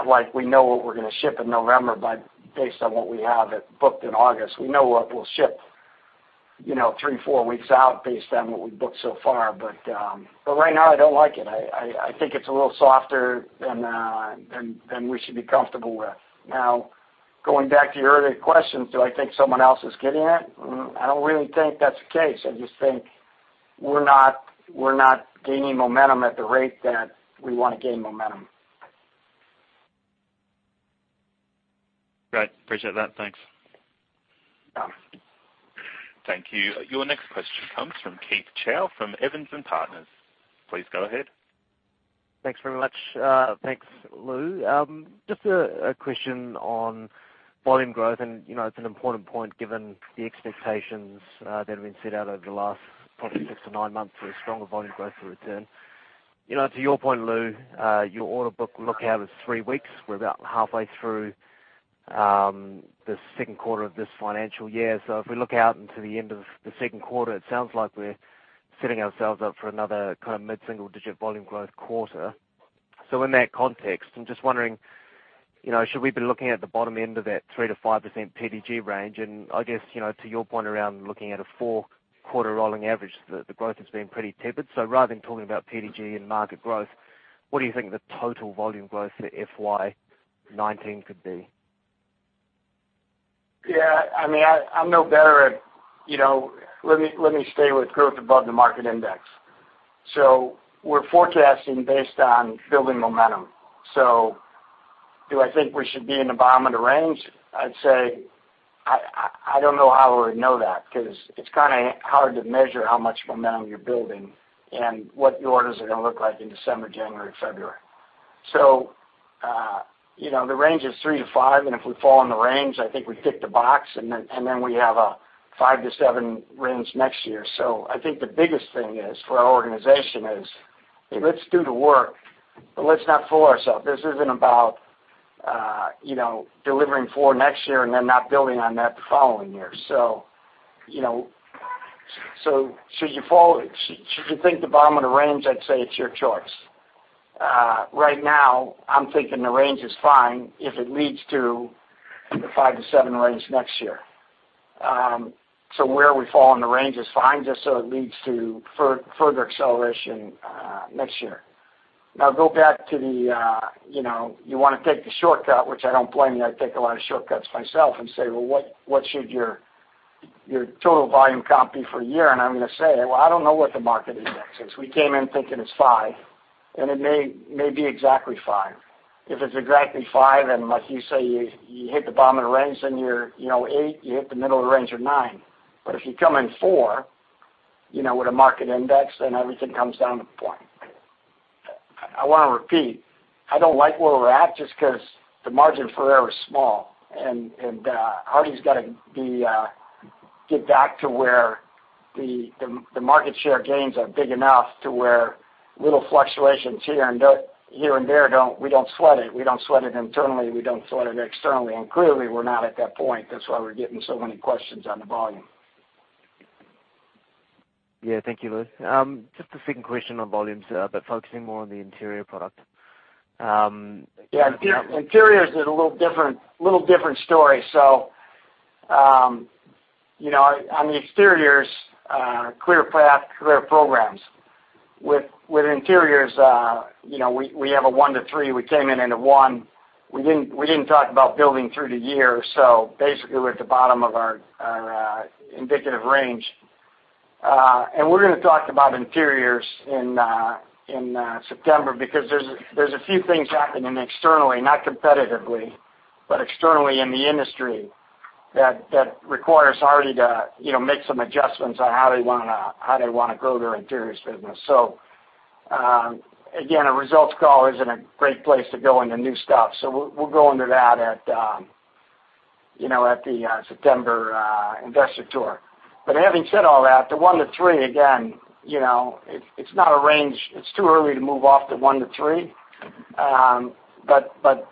like we know what we're gonna ship in November, but based on what we have booked in August. We know what we'll ship, you know, three, four weeks out based on what we've booked so far. But right now, I don't like it. I think it's a little softer than we should be comfortable with. Now, going back to your earlier question, do I think someone else is getting it? I don't really think that's the case. I just think we're not gaining momentum at the rate that we want to gain momentum. Great. Appreciate that. Thanks. Thank you. Your next question comes from Keith Chau from Evans and Partners. Please go ahead. Thanks very much. Thanks, Lou. Just a question on volume growth, and, you know, it's an important point given the expectations that have been set out over the last probably six to nine months for a stronger volume growth to return. You know, to your point, Lou, your order book look-out is three weeks. We're about halfway through the second quarter of this financial year. So if we look out into the end of the second quarter, it sounds like we're setting ourselves up for another kind of mid-single digit volume growth quarter. So in that context, I'm just wondering, you know, should we be looking at the bottom end of that 3%-5% PDG range? I guess, you know, to your point around looking at a four-quarter rolling average, the growth has been pretty tepid. So rather than talking about PDG and market growth, what do you think the total volume growth for FY 2019 could be? Yeah, I mean, I'm no better at, you know, let me stay with growth above the market index. So we're forecasting based on building momentum. So do I think we should be in the bottom of the range? I'd say I don't know how I would know that, 'cause it's kind of hard to measure how much momentum you're building and what the orders are gonna look like in December, January, February. So, you know, the range is 3-5, and if we fall in the range, I think we tick the box, and then we have a 5-7 range next year. So I think the biggest thing is, for our organization, let's do the work, but let's not fool ourselves. This isn't about, you know, delivering four next year and then not building on that the following year. So, you know, so should you think the bottom of the range? I'd say it's your choice. Right now, I'm thinking the range is fine if it leads to the 5-7 range next year. So where we fall in the range is fine, just so it leads to further acceleration next year. Now, go back to the, you know, you wanna take the shortcut, which I don't blame you. I take a lot of shortcuts myself and say, "Well, what should your total volume comp be for a year?" I'm gonna say, "Well, I don't know what the market index is." We came in thinking it's five, and it may be exactly five. If it's exactly five, and like you say, you hit the bottom of the range, then you're, you know, eight, you hit the middle of the range, you're nine. But if you come in four, you know, with a market index, then everything comes down to point. I wanna repeat, I don't like where we're at just 'cause the margin for error is small, and, and, Hardie gotta be, get back to where the market share gains are big enough to where little fluctuations here and there, here and there, don't we don't sweat it. We don't sweat it internally, we don't sweat it externally, and clearly, we're not at that point. That's why we're getting so many questions on the volume. Yeah. Thank you, Lou. Just a second question on volumes, but focusing more on the interior product, Yeah, interior is a little different, little different story. So, you know, on the exteriors, clear path, clear programs. With interiors, you know, we have a one to three. We came into one. We didn't talk about building through the year. So basically, we're at the bottom of our indicative range. We're gonna talk about interiors in September, because there's a few things happening externally, not competitively, but externally in the industry, that requires Hardie to, you know, make some adjustments on how they wanna grow their interiors business. So, again, a results call isn't a great place to go into new stuff, so we'll go into that at, you know, at the September investor tour. But having said all that, the one to three, again, you know, it's not a range. It's too early to move off the one to three. But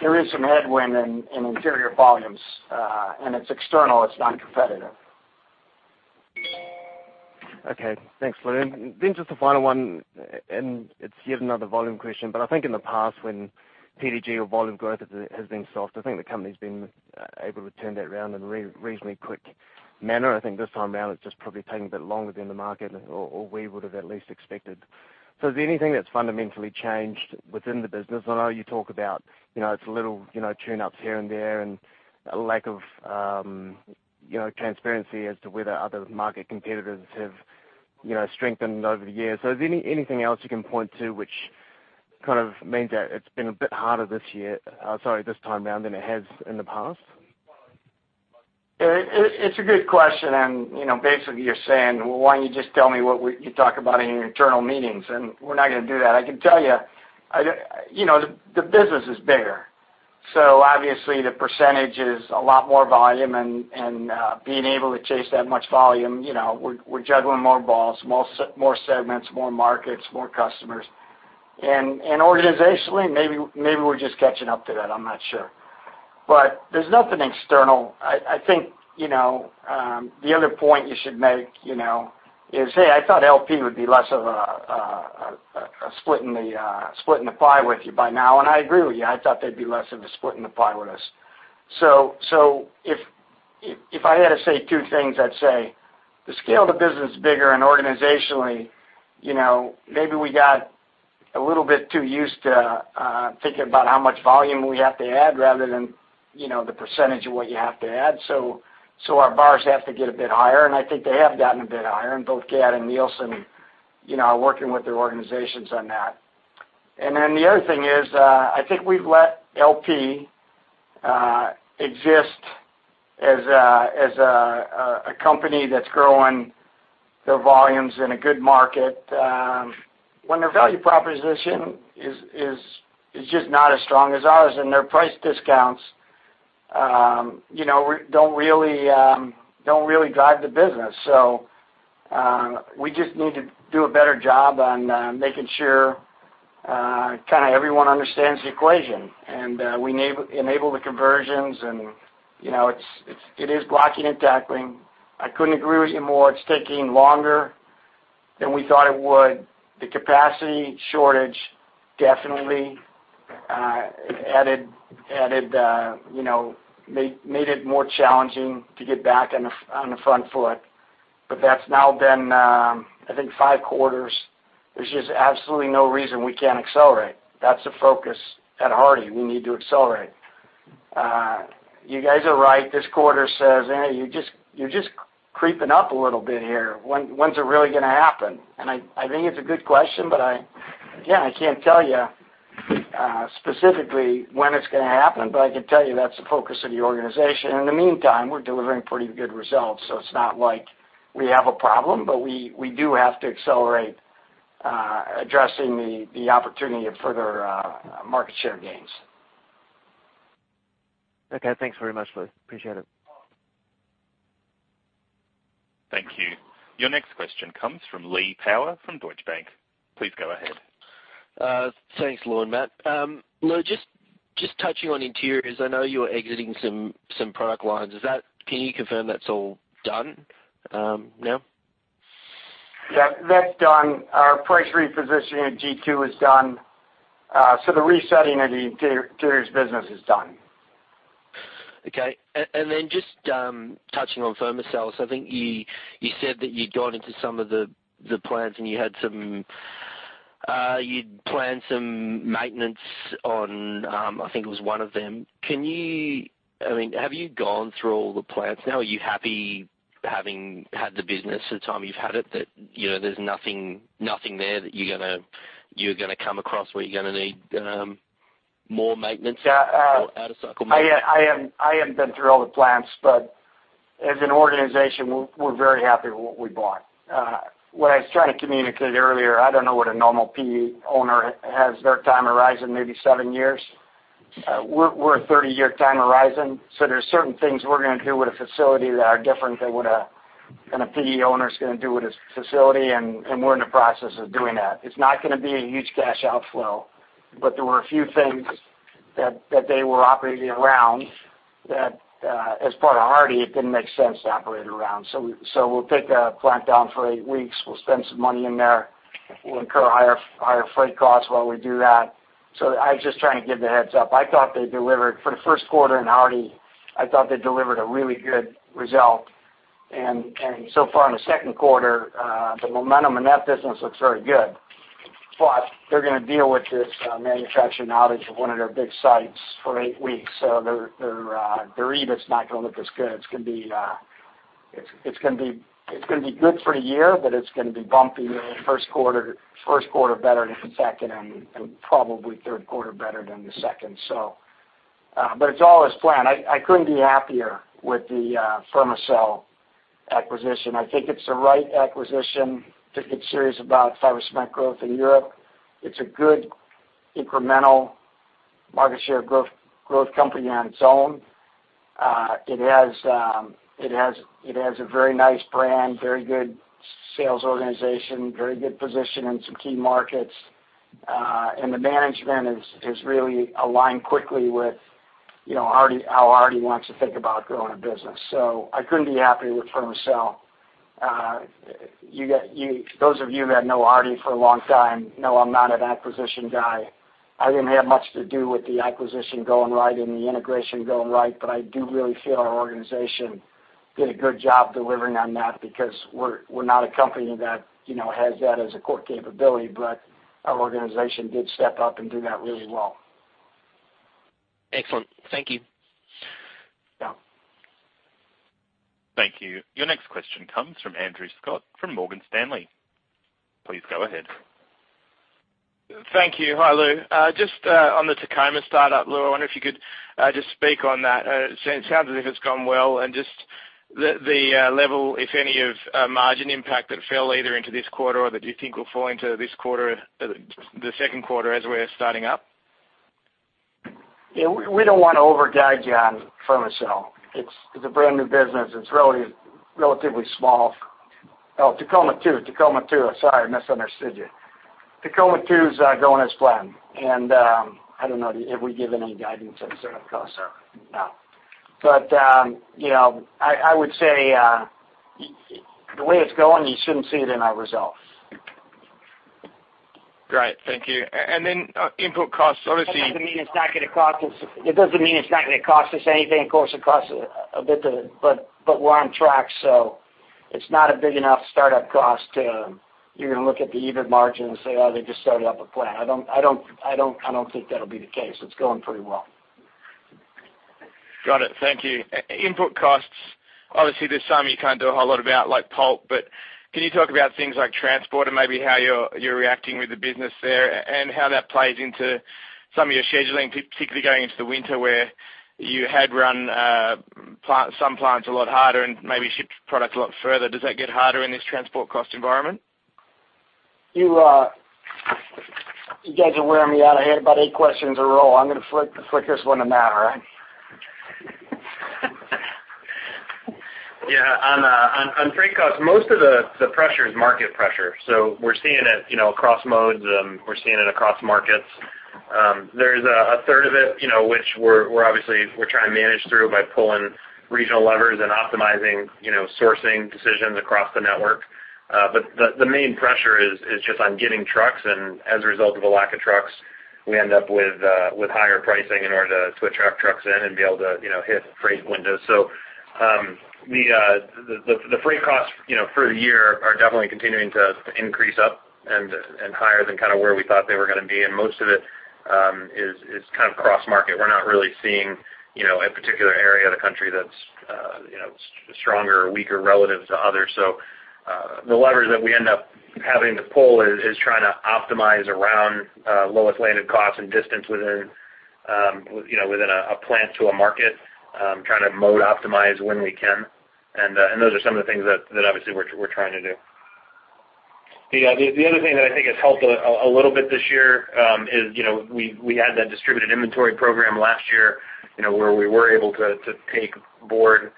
there is some headwind in interior volumes, and it's external, it's not competitive. Okay. Thanks, Lou. Then just a final one, and it's yet another volume question. But I think in the past, when PDG or volume growth has been soft, I think the company's been able to turn that around in a reasonably quick manner. I think this time around, it's just probably taking a bit longer than the market or we would have at least expected. So is there anything that's fundamentally changed within the business? I know you talk about, you know, it's little, you know, tune-ups here and there, and a lack of, you know, transparency as to whether other market competitors have, you know, strengthened over the years. So is there anything else you can point to, which kind of means that it's been a bit harder this year, sorry, this time around than it has in the past? It's a good question, and, you know, basically, you're saying: Well, why don't you just tell me what we talk about in your internal meetings, and we're not gonna do that. I can tell you, you know, the business is bigger, so obviously, the percentage is a lot more volume, and being able to chase that much volume, you know, we're juggling more balls, more segments, more markets, more customers. Organizationally, maybe we're just catching up to that. I'm not sure. But there's nothing external. I think, you know, the other point you should make, you know, is, hey, I thought LP would be less of a split in the pie with you by now, and I agree with you, I thought they'd be less of a split in the pie with us. If I had to say two things, I'd say the scale of the business is bigger, and organizationally, you know, maybe we got a little bit too used to thinking about how much volume we have to add rather than, you know, the percentage of what you have to add. So our bars have to get a bit higher, and I think they have gotten a bit higher, and both Gadd and Neilson, you know, are working with their organizations on that. Then the other thing is, I think we've let LP exist as a company that's growing their volumes in a good market, when their value proposition is just not as strong as ours, and their price discounts, you know, don't really drive the business. So we just need to do a better job on making sure kind of everyone understands the equation, and we enable the conversions and, you know, it is blocking and tackling. I couldn't agree with you more. It's taking longer than we thought it would. The capacity shortage definitely added you know made it more challenging to get back on the front foot. But that's now been I think five quarters. There's just absolutely no reason we can't accelerate. That's the focus at Hardie: We need to accelerate. You guys are right. This quarter says, hey, you're just you're just creeping up a little bit here. When's it really gonna happen? I think it's a good question, but I again can't tell you specifically when it's gonna happen, but I can tell you that's the focus of the organization. In the meantime, we're delivering pretty good results, so it's not like we have a problem, but we do have to accelerate addressing the opportunity of further market share gains. Okay, thanks very much, Lou. Appreciate it. Thank you. Your next question comes from Lee Power, from Deutsche Bank. Please go ahead. Thanks, Lou and Matt. Lou, just touching on interiors, I know you're exiting some product lines. Is that - can you confirm that's all done, now? Yeah, that's done. Our price repositioning at Q2 is done. So the resetting of the interior business is done. Okay. Then just touching on Fermacell, so I think you said that you'd gone into some of the plants and you'd planned some maintenance on, I think it was one of them. Can you - I mean, have you gone through all the plants now? Are you happy, having had the business the time you've had it, that you know, there's nothing there that you're gonna come across, where you're gonna need more maintenance or out of cycle maintenance? I haven't been through all the plants, but as an organization, we're very happy with what we bought. What I was trying to communicate earlier, I don't know what a normal PE owner has their time horizon, maybe seven years? We're a 30-year time horizon, so there's certain things we're gonna do with a facility that are different than what a PE owner is gonna do with his facility, and we're in the process of doing that. It's not gonna be a huge cash outflow, but there were a few things that they were operating around that, as part of Hardie, it didn't make sense to operate around. So we'll take a plant down for eight weeks. We'll spend some money in there. We'll incur higher freight costs while we do that. So I was just trying to give the heads-up. I thought they delivered for the first quarter in Hardie. I thought they delivered a really good result. So far in the second quarter, the momentum in that business looks very good. But they're gonna deal with this manufacturing outage of one of their big sites for eight weeks. So their EBIT's not gonna look as good. It's gonna be good for the year, but it's gonna be bumpy in the first quarter, first quarter better than the second, and probably third quarter better than the second. So but it's all as planned. I couldn't be happier with the Fermacell acquisition. I think it's the right acquisition to get serious about fiber cement growth in Europe. It's a good incremental market share growth, growth company on its own. It has a very nice brand, very good sales organization, very good position in some key markets and the management has really aligned quickly with, you know, Hardie, how Hardie wants to think about growing a business. So I couldn't be happier with Fermacell. Those of you that know Hardie for a long time know I'm not an acquisition guy. I didn't have much to do with the acquisition going right and the integration going right, but I do really feel our organization did a good job delivering on that because we're not a company that, you know, has that as a core capability, but our organization did step up and do that really well. Excellent. Thank you. Yeah. Thank you. Your next question comes from Andrew Scott from Morgan Stanley. Please go ahead. Thank you. Hi, Lou. Just on the Tacoma startup, Lou, I wonder if you could just speak on that. It sounds as if it's gone well, and just the level, if any, of margin impact that fell either into this quarter or that you think will fall into this quarter, the second quarter as we're starting up? Yeah, we don't want to over-guide you on Fermacell. It's a brand-new business. It's relatively small. Oh, Tacoma Two, Tacoma Two. Sorry, I misunderstood you. Tacoma Two is going as planned, and I don't know, have we given any guidance on this? Of course, no. But you know, I would say the way it's going, you shouldn't see it in our results. Great. Thank you. Then, input costs, obviously- That doesn't mean it's not gonna cost us. It doesn't mean it's not gonna cost us anything. Of course, it costs a bit, but we're on track, so it's not a big enough startup cost to, you're gonna look at the EBIT margin and say, "Oh, they just started up a plant." I don't think that'll be the case. It's going pretty well. Got it. Thank you. Input costs, obviously, there's some you can't do a whole lot about, like pulp, but can you talk about things like transport and maybe how you're reacting with the business there and how that plays into some of your scheduling, particularly going into the winter, where you had run some plants a lot harder and maybe shipped product a lot further. Does that get harder in this transport cost environment? You, you guys are wearing me out. I had about eight questions in a row. I'm gonna flick this one to Matt, all right? Yeah, on freight costs, most of the pressure is market pressure. So we're seeing it, you know, across modes, we're seeing it across markets. There's 1/3 of it, you know, which we're obviously trying to manage through by pulling regional levers and optimizing, you know, sourcing decisions across the network. But the main pressure is just on getting trucks, and as a result of a lack of trucks, we end up with higher pricing in order to switch our trucks in and be able to, you know, hit freight windows. So the freight costs, you know, for the year are definitely continuing to increase and higher than kind of where we thought they were gonna be, and most of it is kind of cross-market. We're not really seeing, you know, a particular area of the country that's, you know, stronger or weaker relative to others. So, the levers that we end up having to pull is trying to optimize around lowest landed costs and distance within, you know, within a plant to a market, trying to mode optimize when we can. Those are some of the things that obviously we're trying to do. The other thing that I think has helped a little bit this year is, you know, we had that distributed inventory program last year, you know, where we were able to take board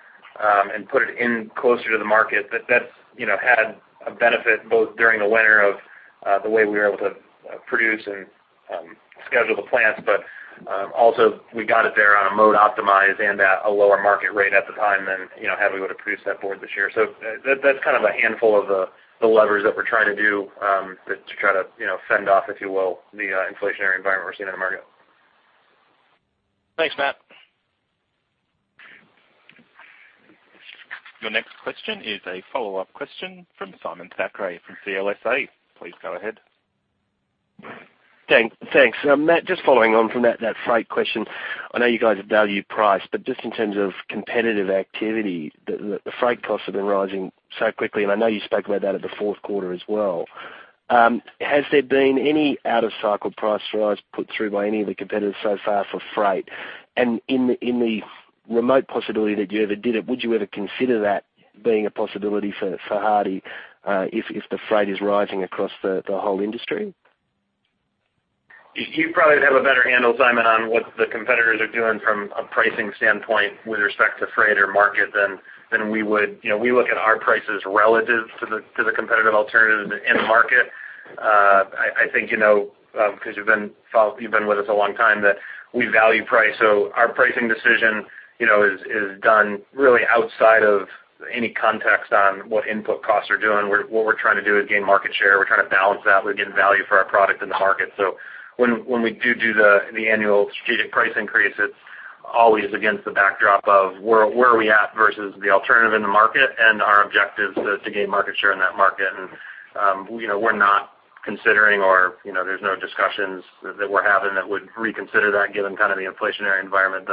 and put it in closer to the market. That, that's, you know, had a benefit both during the winter of the way we were able to produce and schedule the plants, but also, we got it there on a more optimized and at a lower market rate at the time than, you know, had we would've produced that board this year. So that, that's kind of a handful of the levers that we're trying to do to try to, you know, fend off, if you will, the inflationary environment we're seeing in the market. Thanks, Matt. Your next question is a follow-up question from Simon Thackray from CLSA. Please go ahead. Thanks. Thanks. Matt, just following on from that, that freight question. I know you guys have valued price, but just in terms of competitive activity, the freight costs have been rising so quickly, and I know you spoke about that at the fourth quarter as well. Has there been any out-of-cycle price rise put through by any of the competitors so far for freight, and in the remote possibility that you ever did it, would you ever consider that being a possibility for Hardie, if the freight is rising across the whole industry? You probably have a better handle, Simon, on what the competitors are doing from a pricing standpoint with respect to freight or market than we would. You know, we look at our prices relative to the competitive alternatives in the market. I think you know, because you've been with us a long time, that we value price. So our pricing decision, you know, is done really outside of any context on what input costs are doing. What we're trying to do is gain market share. We're trying to balance that with getting value for our product in the market. So when we do the annual strategic price increases, always against the backdrop of where we are at versus the alternative in the market and our objectives to gain market share in that market. You know, we're not considering. You know, there's no discussions that we're having that would reconsider that, given kind of the inflationary environment.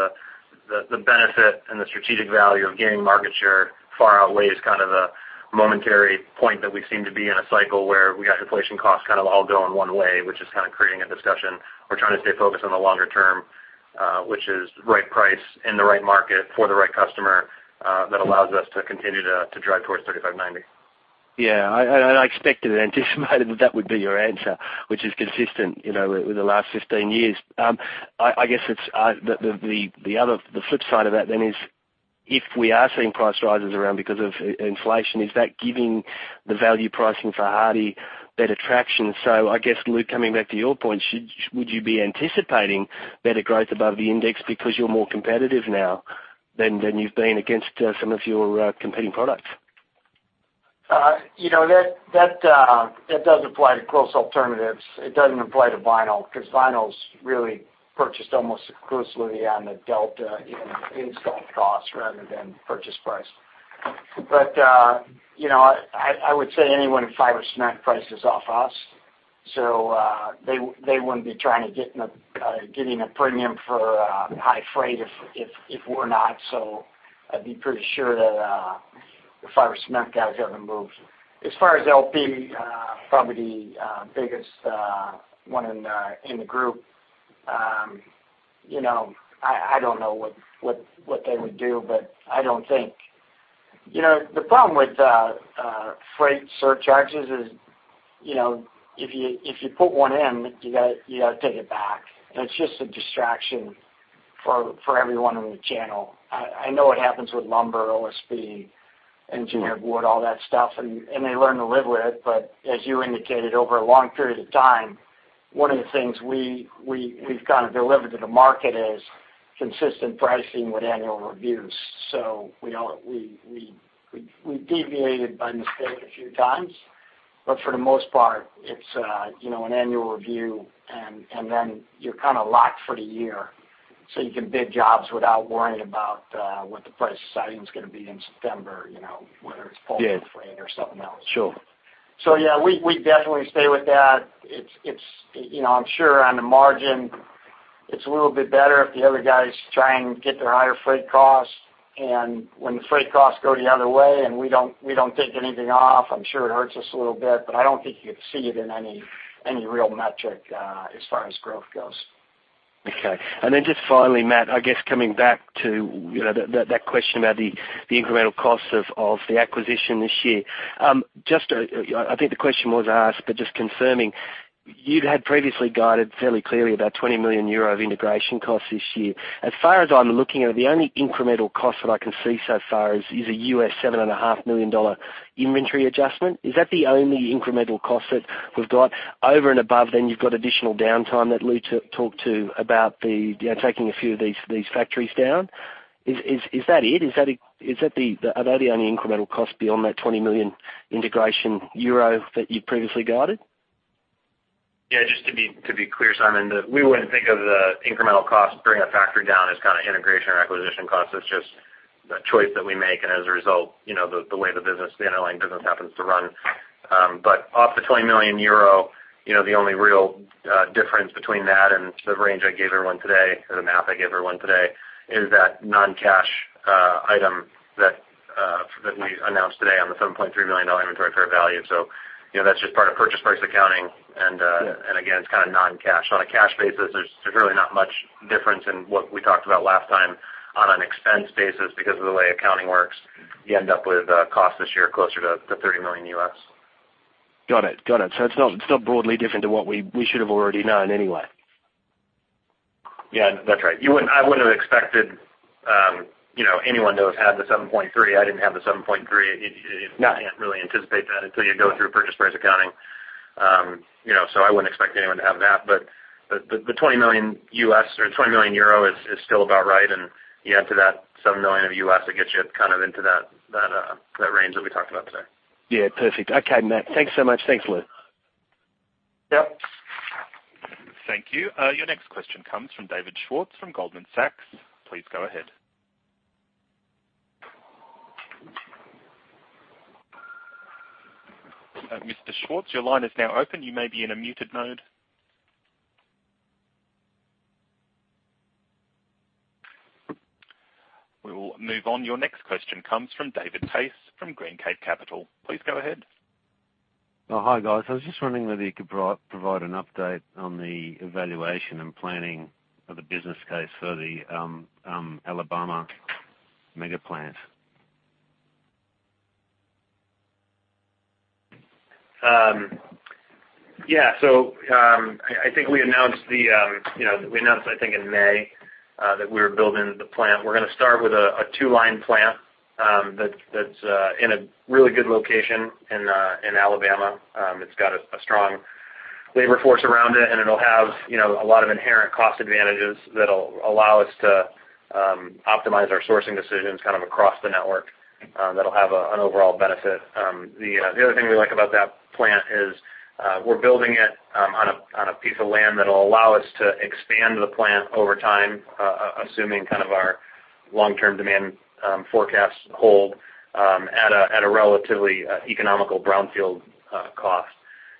The benefit and the strategic value of gaining market share far outweighs kind of the momentary point that we seem to be in a cycle where we got inflation costs kind of all going one way, which is kind of creating a discussion. We're trying to stay focused on the longer term, which is right price in the right market for the right customer, that allows us to continue to drive towards 35/90. Yeah, I expected and anticipated that would be your answer, which is consistent, you know, with the last 15 years. I guess it's the flip side of that then is if we are seeing price rises around because of inflation, is that giving the value pricing for Hardie better traction? So I guess, Lou, coming back to your point, would you be anticipating better growth above the index because you're more competitive now than you've been against some of your competing products? You know, that does apply to close alternatives. It doesn't apply to vinyl, because vinyl's really purchased almost exclusively on the delta in install costs rather than purchase price. But, you know, I would say anyone in fiber cement prices off us, so, they wouldn't be trying to get in a, getting a premium for high freight if we're not. So I'd be pretty sure that the fiber cement guys haven't moved. As far as LP, probably the biggest one in the group, you know, I don't know what they would do, but I don't think... You know, the problem with freight surcharges is, you know, if you, if you put one in, you gotta, you gotta take it back, and it's just a distraction for, for everyone in the channel. I know it happens with lumber, OSB, engineered wood, all that stuff, and, and they learn to live with it. But as you indicated, over a long period of time, one of the things we've kind of delivered to the market is consistent pricing with annual reviews. So we deviated by mistake a few times, but for the most part, it's, you know, an annual review, and, and then you're kind of locked for the year. So you can bid jobs without worrying about what the price of siding is going to be in September, you know, whether it's pulp or freight or something else. Sure. So yeah, we definitely stay with that. It's, you know, I'm sure on the margin, it's a little bit better if the other guys try and get their higher freight costs, and when the freight costs go the other way, and we don't take anything off, I'm sure it hurts us a little bit, but I don't think you'd see it in any real metric as far as growth goes. Okay. Then just finally, Matt, I guess coming back to, you know, that question about the incremental costs of the acquisition this year. Just, I think the question was asked, but just confirming, you'd had previously guided fairly clearly about 20 million euro of integration costs this year. As far as I'm looking at it, the only incremental cost that I can see so far is a $7.5 million inventory adjustment. Is that the only incremental cost that we've got over and above? Then you've got additional downtime that Lou talked about, you know, taking a few of these factories down. Is that it? Is that the, are they the only incremental costs beyond that 20 million euro integration that you previously guided? Yeah, just to be clear, Simon, we wouldn't think of the incremental cost to bring a factory down as kind of integration or acquisition costs. It's just a choice that we make, and as a result, you know, the way the business, the underlying business happens to run. But off the 20 million euro, you know, the only real difference between that and the range I gave everyone today, or the math I gave everyone today, is that non-cash item that we announced today on the $7.3 million inventory fair value. So, you know, that's just part of purchase price accounting, and again, it's kind of non-cash. On a cash basis, there's really not much difference in what we talked about last time. On an expense basis, because of the way accounting works, you end up with a cost this year closer to $30 million. Got it. So it's not broadly different to what we should have already known anyway. Yeah, that's right. You wouldn't. I wouldn't have expected, you know, anyone to have had the 7.3. I didn't have the 7.3. You can't really anticipate that until you go through purchase price accounting. You know, so I wouldn't expect anyone to have that, but the $20 million, or 20 million euro is still about right, and you add to that $7 million, it gets you kind of into that range that we talked about today. Yeah, perfect. Okay, Matt, thanks so much. Thanks, Lou. Yep. Thank you. Your next question comes from David Schwartz, from Goldman Sachs. Please go ahead. Mr. Schwartz, your line is now open. You may be in a muted mode. We will move on. Your next question comes from David Pace, from Greencape Capital. Please go ahead. Oh, hi, guys. I was just wondering whether you could provide an update on the evaluation and planning of the business case for the Alabama mega plant? Yeah. So, I think we announced, you know, we announced, I think in May, that we were building the plant. We're gonna start with a two-line plant, that's in a really good location in Alabama. It's got a strong labor force around it, and it'll have, you know, a lot of inherent cost advantages that'll allow us to optimize our sourcing decisions kind of across the network, that'll have an overall benefit. The other thing we like about that plant is, we're building it on a piece of land that'll allow us to expand the plant over time, assuming kind of our long-term demand forecast hold, at a relatively economical brownfield cost.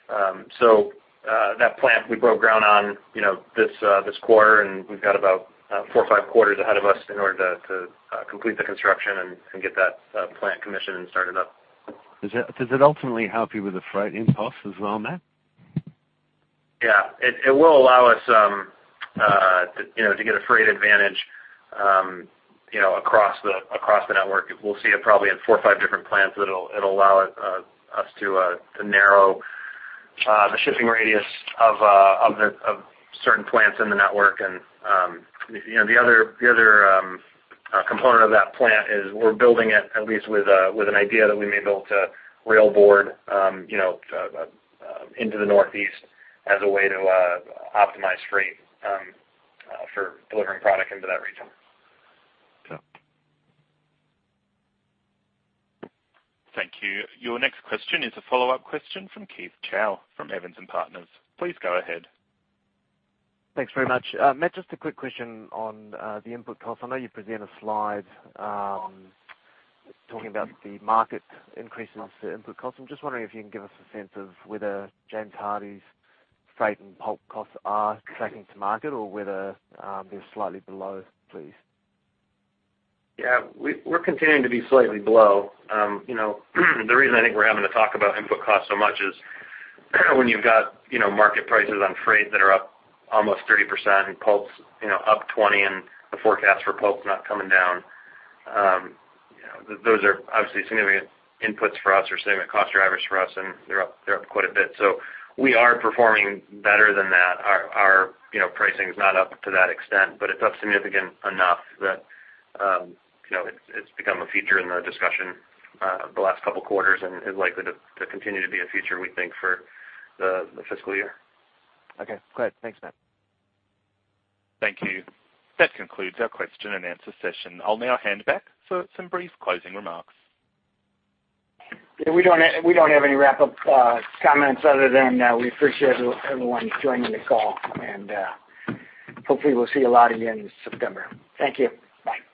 That plant we broke ground on, you know, this quarter, and we've got about four or five quarters ahead of us in order to complete the construction and get that plant commissioned and started up. Does it ultimately help you with the freight impact as well, Matt? Yeah. It will allow us to get a freight advantage, you know, across the network. We'll see it probably in four or five different plants. It'll allow us to narrow the shipping radius of certain plants in the network. You know, the other component of that plant is we're building it at least with an idea that we may build a rail siding, you know, into the Northeast as a way to optimize freight for delivering product into that region. Yeah. Thank you. Your next question is a follow-up question from Keith Chau, from Evans and Partners. Please go ahead. Thanks very much. Matt, just a quick question on the input costs. I know you present a slide talking about the market increases to input costs. I'm just wondering if you can give us a sense of whether James Hardie's freight and pulp costs are tracking to market or whether they're slightly below, please? Yeah. We're continuing to be slightly below. You know, the reason I think we're having to talk about input costs so much is, when you've got, you know, market prices on freight that are up almost 30%, and pulp, you know, up 20%, and the forecast for pulp not coming down, you know, those are obviously significant inputs for us or significant cost drivers for us, and they're up quite a bit. So we are performing better than that. Our, you know, pricing is not up to that extent, but it's up significant enough that, you know, it's become a feature in the discussion, the last couple of quarters and is likely to continue to be a feature, we think, for the fiscal year. Okay, great. Thanks, Matt. Thank you. That concludes our question and answer session. I'll now hand back for some brief closing remarks. Yeah, we don't have any wrap-up comments other than we appreciate everyone joining the call, and hopefully we'll see a lot of you in September. Thank you. Bye.